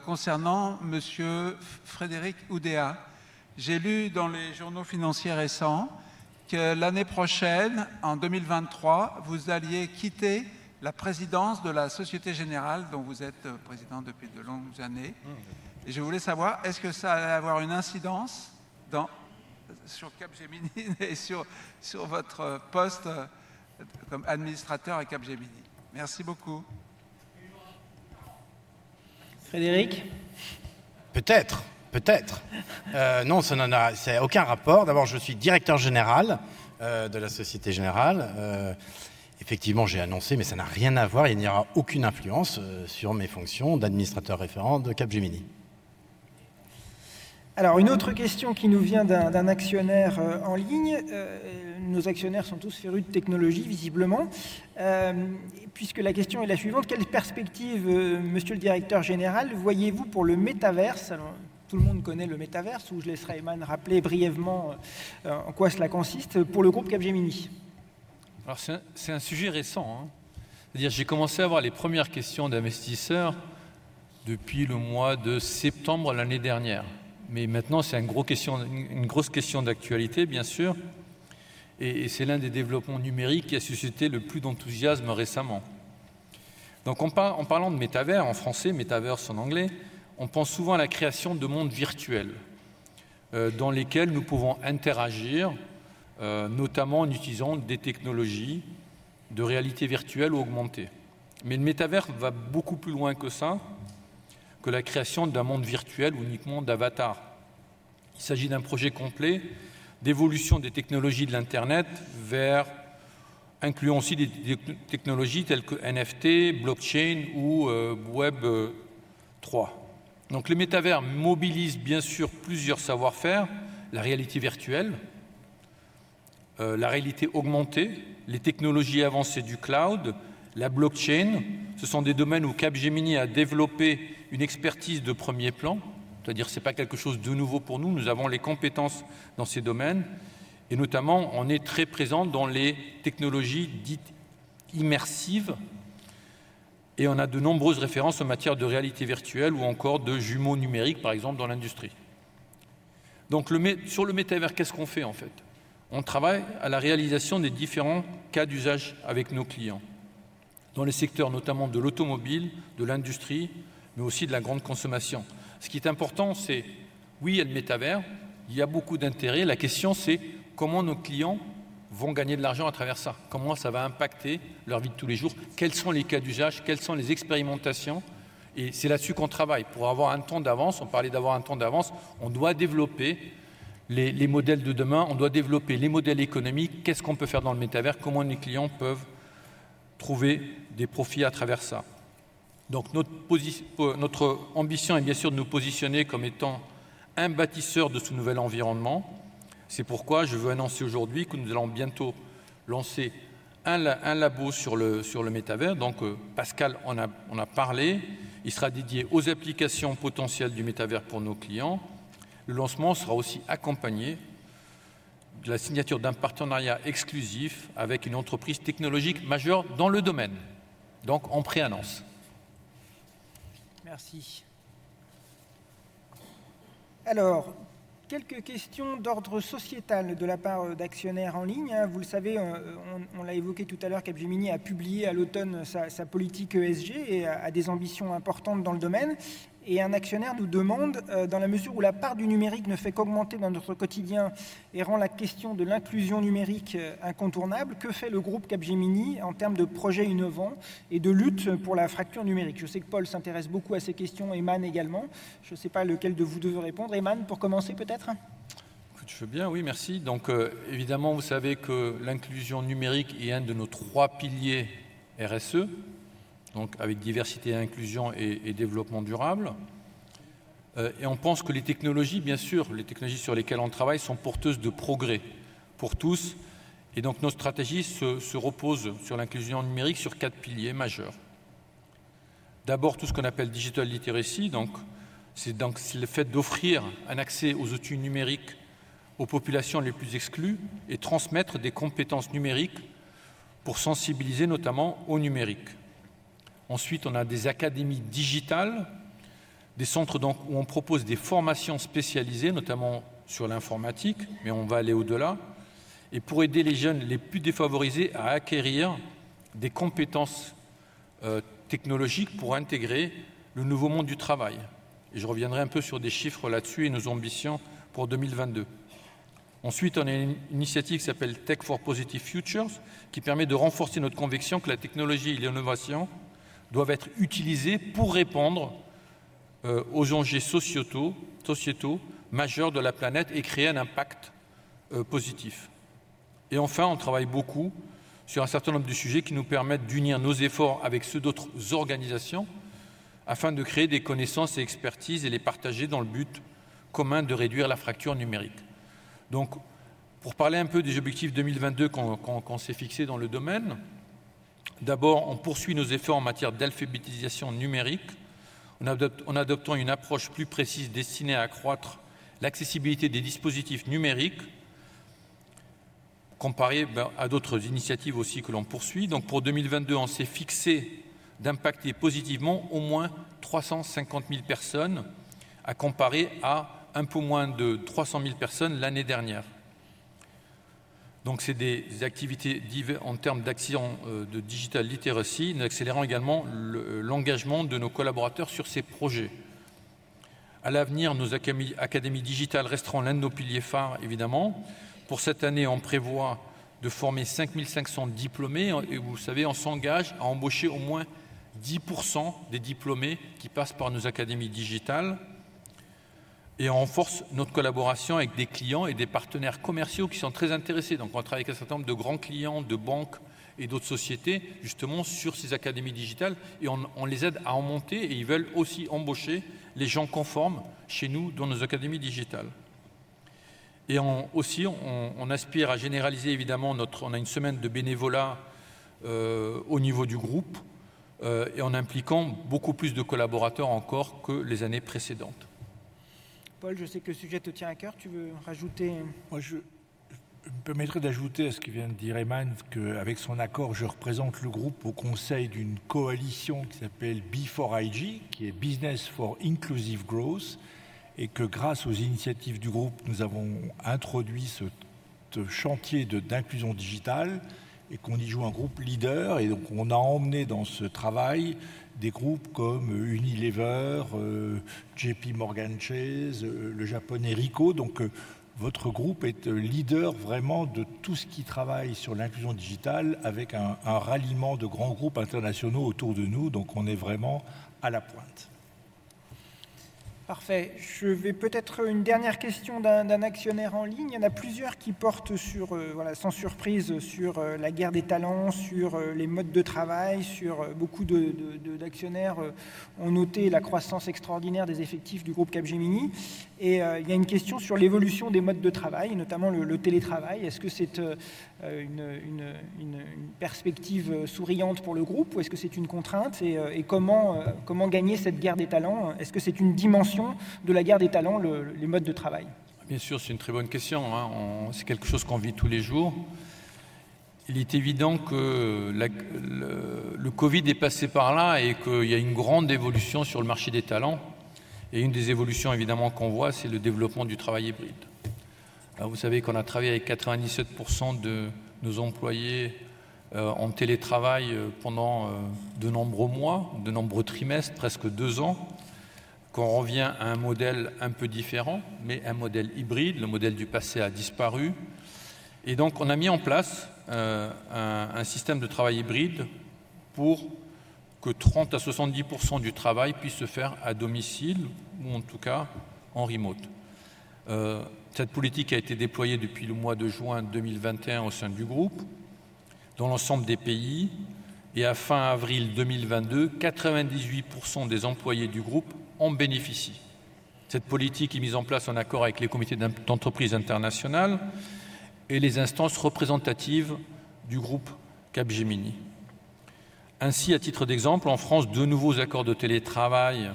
concernant Monsieur Frédéric Oudéa. J'ai lu dans les journaux financiers récents que l'année prochaine, en 2023, vous alliez quitter la présidence de la Société Générale dont vous êtes président depuis de longues années. Je voulais savoir est-ce que ça allait avoir une incidence dans sur Capgemini et sur votre poste comme administrateur à Capgemini? Merci beaucoup. Frédéric? Peut-être. Non, ça n'a aucun rapport. D'abord, je suis directeur général de la Société Générale. Effectivement, j'ai annoncé, mais ça n'a rien à voir. Il n'y aura aucune influence sur mes fonctions d'administrateur référent de Capgemini. Une autre question qui nous vient d'un actionnaire en ligne. Nos actionnaires sont tous férus de technologie, visiblement, puisque la question est la suivante: quelle perspective, Monsieur le directeur général, voyez-vous pour le métavers? Tout le monde connaît le métavers, ou je laisserai Aiman rappeler brièvement en quoi cela consiste pour le groupe Capgemini. C'est un sujet récent. J'ai commencé à avoir les premières questions d'investisseurs depuis le mois de septembre l'année dernière. Mais maintenant, c'est une grosse question, une grosse question d'actualité, bien sûr. C'est l'un des développements numériques qui a suscité le plus d'enthousiasme récemment. En parlant de métavers, en français, metaverse en anglais, on pense souvent à la création de mondes virtuels dans lesquels nous pouvons interagir, notamment en utilisant des technologies de réalité virtuelle ou augmentée. Le métavers va beaucoup plus loin que ça, que la création d'un monde virtuel ou uniquement d'avatars. Il s'agit d'un projet complet d'évolution des technologies de l'Internet vers, incluant aussi des technologies telles que NFT, blockchain ou Web3. Le métavers mobilise bien sûr plusieurs savoir-faire, la réalité virtuelle, la réalité augmentée, les technologies avancées du cloud, la blockchain. Ce sont des domaines où Capgemini a développé une expertise de premier plan. C'est-à-dire c'est pas quelque chose de nouveau pour nous. Nous avons les compétences dans ces domaines et notamment, on est très présent dans les technologies dites immersives. On a de nombreuses références en matière de réalité virtuelle ou encore de jumeaux numériques, par exemple, dans l'industrie. Sur le métavers, qu'est-ce qu'on fait, en fait? On travaille à la réalisation des différents cas d'usage avec nos clients, dans les secteurs notamment de l'automobile, de l'industrie, mais aussi de la grande consommation. Ce qui est important, c'est oui, il y a le métavers, il y a beaucoup d'intérêt. La question, c'est comment nos clients vont gagner de l'argent à travers ça? Comment ça va impacter leur vie de tous les jours? Quels sont les cas d'usage? Quelles sont les expérimentations? C'est là-dessus qu'on travaille. Pour avoir un temps d'avance, on parlait d'avoir un temps d'avance, on doit développer les modèles de demain, on doit développer les modèles économiques. Qu'est-ce qu'on peut faire dans le métavers? Comment les clients peuvent trouver des profits à travers ça? Notre ambition est bien sûr de nous positionner comme étant un bâtisseur de ce nouvel environnement. C'est pourquoi je veux annoncer aujourd'hui que nous allons bientôt lancer un labo sur le métavers. Pascal en a parlé. Il sera dédié aux applications potentielles du métavers pour nos clients. Le lancement sera aussi accompagné de la signature d'un partenariat exclusif avec une entreprise technologique majeure dans le domaine. En préannonce. Merci. Alors, quelques questions d'ordre sociétal de la part d'actionnaires en ligne. Vous le savez, on l'a évoqué tout à l'heure, Capgemini a publié à l'automne sa politique ESG et a des ambitions importantes dans le domaine. Un actionnaire nous demande: dans la mesure où la part du numérique ne fait qu'augmenter dans notre quotidien et rend la question de l'inclusion numérique incontournable, que fait le groupe Capgemini en termes de projets innovants et de lutte pour la fracture numérique? Je sais que Paul s'intéresse beaucoup à ces questions et Aiman également. Je ne sais pas lequel de vous deux veut répondre. Aiman pour commencer peut-être? Je veux bien, oui merci. Évidemment, vous savez que l'inclusion numérique est un de nos trois piliers RSE, avec diversité, inclusion et développement durable. On pense que les technologies, bien sûr, les technologies sur lesquelles on travaille sont porteuses de progrès pour tous. Nos stratégies se reposent sur l'inclusion numérique sur quatre piliers majeurs. D'abord, tout ce qu'on appelle digital literacy. C'est le fait d'offrir un accès aux outils numériques aux populations les plus exclues et transmettre des compétences numériques pour sensibiliser notamment au numérique. Ensuite, on a des académies digitales, des centres où on propose des formations spécialisées, notamment sur l'informatique, mais on va aller au-delà. Pour aider les jeunes les plus défavorisés à acquérir des compétences technologiques pour intégrer le nouveau monde du travail. Je reviendrai un peu sur des chiffres là-dessus et nos ambitions pour 2022. Ensuite, on a une initiative qui s'appelle Tech for Positive Futures, qui permet de renforcer notre conviction que la technologie et l'innovation doivent être utilisées pour répondre aux enjeux sociétaux majeurs de la planète et créer un impact positif. Enfin, on travaille beaucoup sur un certain nombre de sujets qui nous permettent d'unir nos efforts avec ceux d'autres organisations afin de créer des connaissances et expertises et les partager dans le but commun de réduire la fracture numérique. Donc, pour parler un peu des objectifs 2022 qu'on s'est fixés dans le domaine. D'abord, on poursuit nos efforts en matière d'alphabétisation numérique, en adoptant une approche plus précise destinée à accroître l'accessibilité des dispositifs numériques, comparée bien à d'autres initiatives aussi que l'on poursuit. Pour 2022, on s'est fixé d'impacter positivement au moins 350,000 personnes, à comparer à un peu moins de 300,000 personnes l'année dernière. C'est des activités en termes d'actions de digital literacy. Nous accélérons également l'engagement de nos collaborateurs sur ces projets. À l'avenir, nos académies digitales resteront l'un de nos piliers phares, évidemment. Pour cette année, on prévoit de former 5,500 diplômés. Vous le savez, on s'engage à embaucher au moins 10% des diplômés qui passent par nos académies digitales. On renforce notre collaboration avec des clients et des partenaires commerciaux qui sont très intéressés. On travaille avec un certain nombre de grands clients, de banques et d'autres sociétés, justement sur ces académies digitales, et on les aide à en monter et ils veulent aussi embaucher les gens qu'on forme chez nous, dans nos académies digitales. On aussi aspire à généraliser évidemment on a une semaine de bénévolat au niveau du groupe et en impliquant beaucoup plus de collaborateurs encore que les années précédentes. Paul, je sais que le sujet te tient à cœur. Tu veux rajouter? Moi, je me permettrai d'ajouter à ce que vient de dire Aiman qu'avec son accord, je représente le groupe au conseil d'une coalition qui s'appelle B for IG, qui est Business for Inclusive Growth, et que grâce aux initiatives du groupe, nous avons introduit ce chantier d'inclusion digitale et qu'on y joue un rôle de leader. Donc on a emmené dans ce travail des groupes comme Unilever, JPMorgan Chase, le Japonais Ricoh. Donc votre groupe est leader vraiment de tout ce qui travaille sur l'inclusion digitale avec un ralliement de grands groupes internationaux autour de nous. Donc on est vraiment à la pointe. Parfait. Je vais peut-être une dernière question d'un actionnaire en ligne. Il y en a plusieurs qui portent sur, voilà, sans surprise, sur la guerre des talents, sur les modes de travail. Sur beaucoup d'actionnaires ont noté la croissance extraordinaire des effectifs du groupe Capgemini. Il y a une question sur l'évolution des modes de travail, notamment le télétravail. Est-ce que c'est une perspective souriante pour le groupe ou est-ce que c'est une contrainte? Et comment gagner cette guerre des talents? Est-ce que c'est une dimension de la guerre des talents, les modes de travail? Bien sûr, c'est une très bonne question hein. C'est quelque chose qu'on vit tous les jours. Il est évident que le Covid est passé par là et qu'il y a une grande évolution sur le marché des talents. Une des évolutions, évidemment, qu'on voit, c'est le développement du travail hybride. Alors, vous savez qu'on a travaillé avec 97% de nos employés en télétravail pendant de nombreux mois, de nombreux trimestres, presque 2 ans, qu'on revient à un modèle un peu différent, mais un modèle hybride. Le modèle du passé a disparu. Donc on a mis en place un système de travail hybride pour que 30%-70% du travail puisse se faire à domicile ou en tout cas en remote. Cette politique a été déployée depuis le mois de juin 2021 au sein du groupe, dans l'ensemble des pays. À fin avril 2022, 98% des employés du groupe en bénéficient. Cette politique est mise en place en accord avec les comités d'entreprise internationaux et les instances représentatives du groupe Capgemini. Ainsi, à titre d'exemple, en France, deux nouveaux accords de télétravail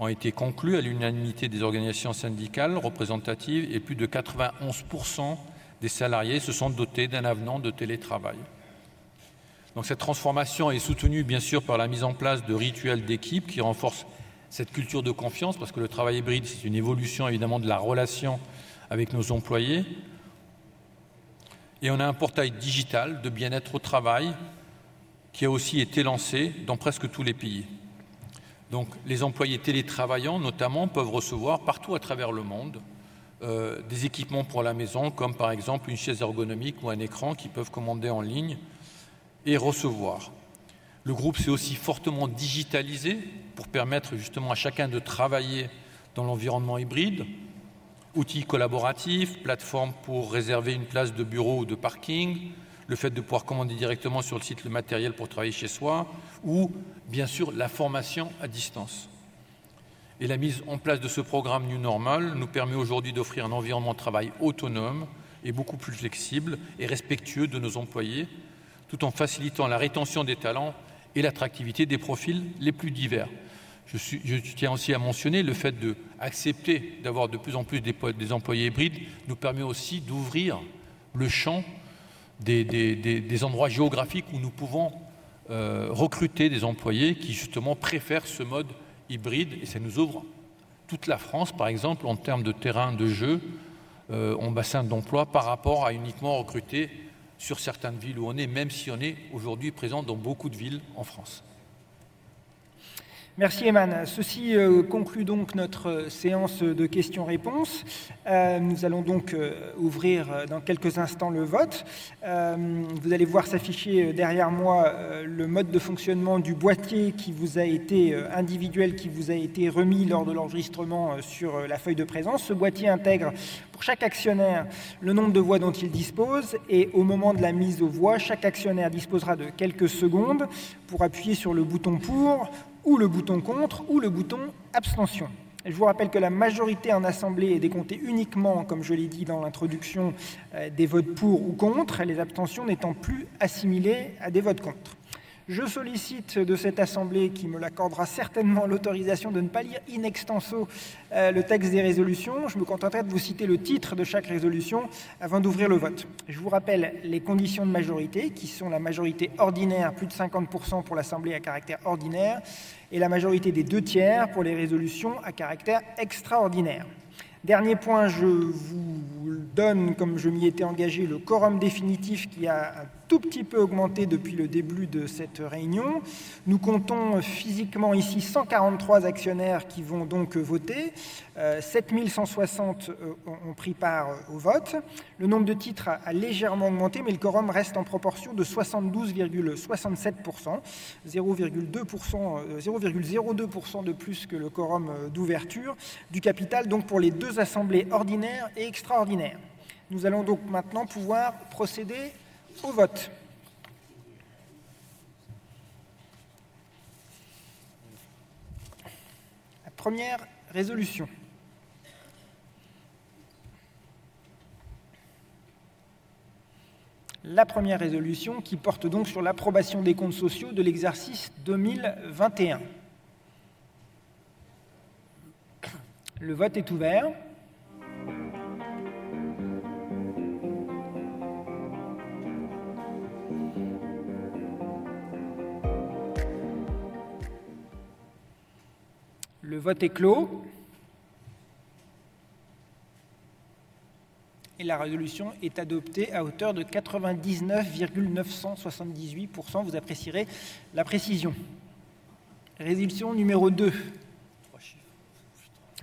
ont été conclus à l'unanimité des organisations syndicales représentatives et plus de 91% des salariés se sont dotés d'un avenant de télétravail. Donc cette transformation est soutenue bien sûr par la mise en place de rituels d'équipe qui renforcent cette culture de confiance parce que le travail hybride, c'est une évolution évidemment de la relation avec nos employés. On a un portail digital de bien-être au travail qui a aussi été lancé dans presque tous les pays. Les employés télétravaillants notamment peuvent recevoir partout à travers le monde des équipements pour la maison, comme par exemple une chaise ergonomique ou un écran qu'ils peuvent commander en ligne et recevoir. Le groupe s'est aussi fortement digitalisé pour permettre justement à chacun de travailler dans l'environnement hybride, outils collaboratifs, plateformes pour réserver une place de bureau ou de parking, le fait de pouvoir commander directement sur le site le matériel pour travailler chez soi ou bien sûr la formation à distance. La mise en place de ce programme New Normal nous permet aujourd'hui d'offrir un environnement de travail autonome et beaucoup plus flexible et respectueux de nos employés tout en facilitant la rétention des talents et l'attractivité des profils les plus divers. Je tiens aussi à mentionner le fait d'accepter d'avoir de plus en plus des employés hybrides nous permet aussi d'ouvrir le champ des endroits géographiques où nous pouvons recruter des employés qui justement préfèrent ce mode hybride. Ça nous ouvre toute la France, par exemple, en termes de terrain de jeu, en bassin d'emploi, par rapport à uniquement recruter sur certaines villes où on est, même si on est aujourd'hui présent dans beaucoup de villes en France. Merci, Aiman. Ceci conclut donc notre séance de questions-réponses. Nous allons donc ouvrir dans quelques instants le vote. Vous allez voir s'afficher derrière moi le mode de fonctionnement du boîtier qui vous a été remis individuellement lors de l'enregistrement sur la feuille de présence. Ce boîtier intègre pour chaque actionnaire le nombre de voix dont il dispose et au moment de la mise aux voix, chaque actionnaire disposera de quelques secondes pour appuyer sur le bouton pour ou le bouton contre ou le bouton abstention. Je vous rappelle que la majorité en assemblée est décomptée uniquement, comme je l'ai dit dans l'introduction, des votes pour ou contre, les abstentions n'étant plus assimilées à des votes contre. Je sollicite de cette assemblée, qui me l'accordera certainement, l'autorisation de ne pas lire in extenso le texte des résolutions. Je me contenterai de vous citer le titre de chaque résolution avant d'ouvrir le vote. Je vous rappelle les conditions de majorité qui sont la majorité ordinaire, plus de 50% pour l'assemblée à caractère ordinaire et la majorité des deux tiers pour les résolutions à caractère extraordinaire. Dernier point, je vous donne, comme je m'y étais engagé, le quorum définitif qui a un tout petit peu augmenté depuis le début de cette réunion. Nous comptons physiquement ici 143 actionnaires qui vont donc voter. 7,160 ont pris part au vote. Le nombre de titres a légèrement augmenté, mais le quorum reste en proportion de 72.67%, 0.02% de plus que le quorum d'ouverture du capital, donc, pour les deux assemblées ordinaires et extraordinaires. Nous allons donc maintenant pouvoir procéder au vote. La première résolution. La première résolution qui porte donc sur l'approbation des comptes sociaux de l'exercice 2021. Le vote est ouvert. Le vote est clos. La résolution est adoptée à hauteur de 99.978%. Vous apprécierez la précision. Résolution numéro 2,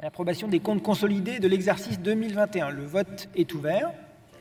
l'approbation des comptes consolidés de l'exercice 2021. Le vote est ouvert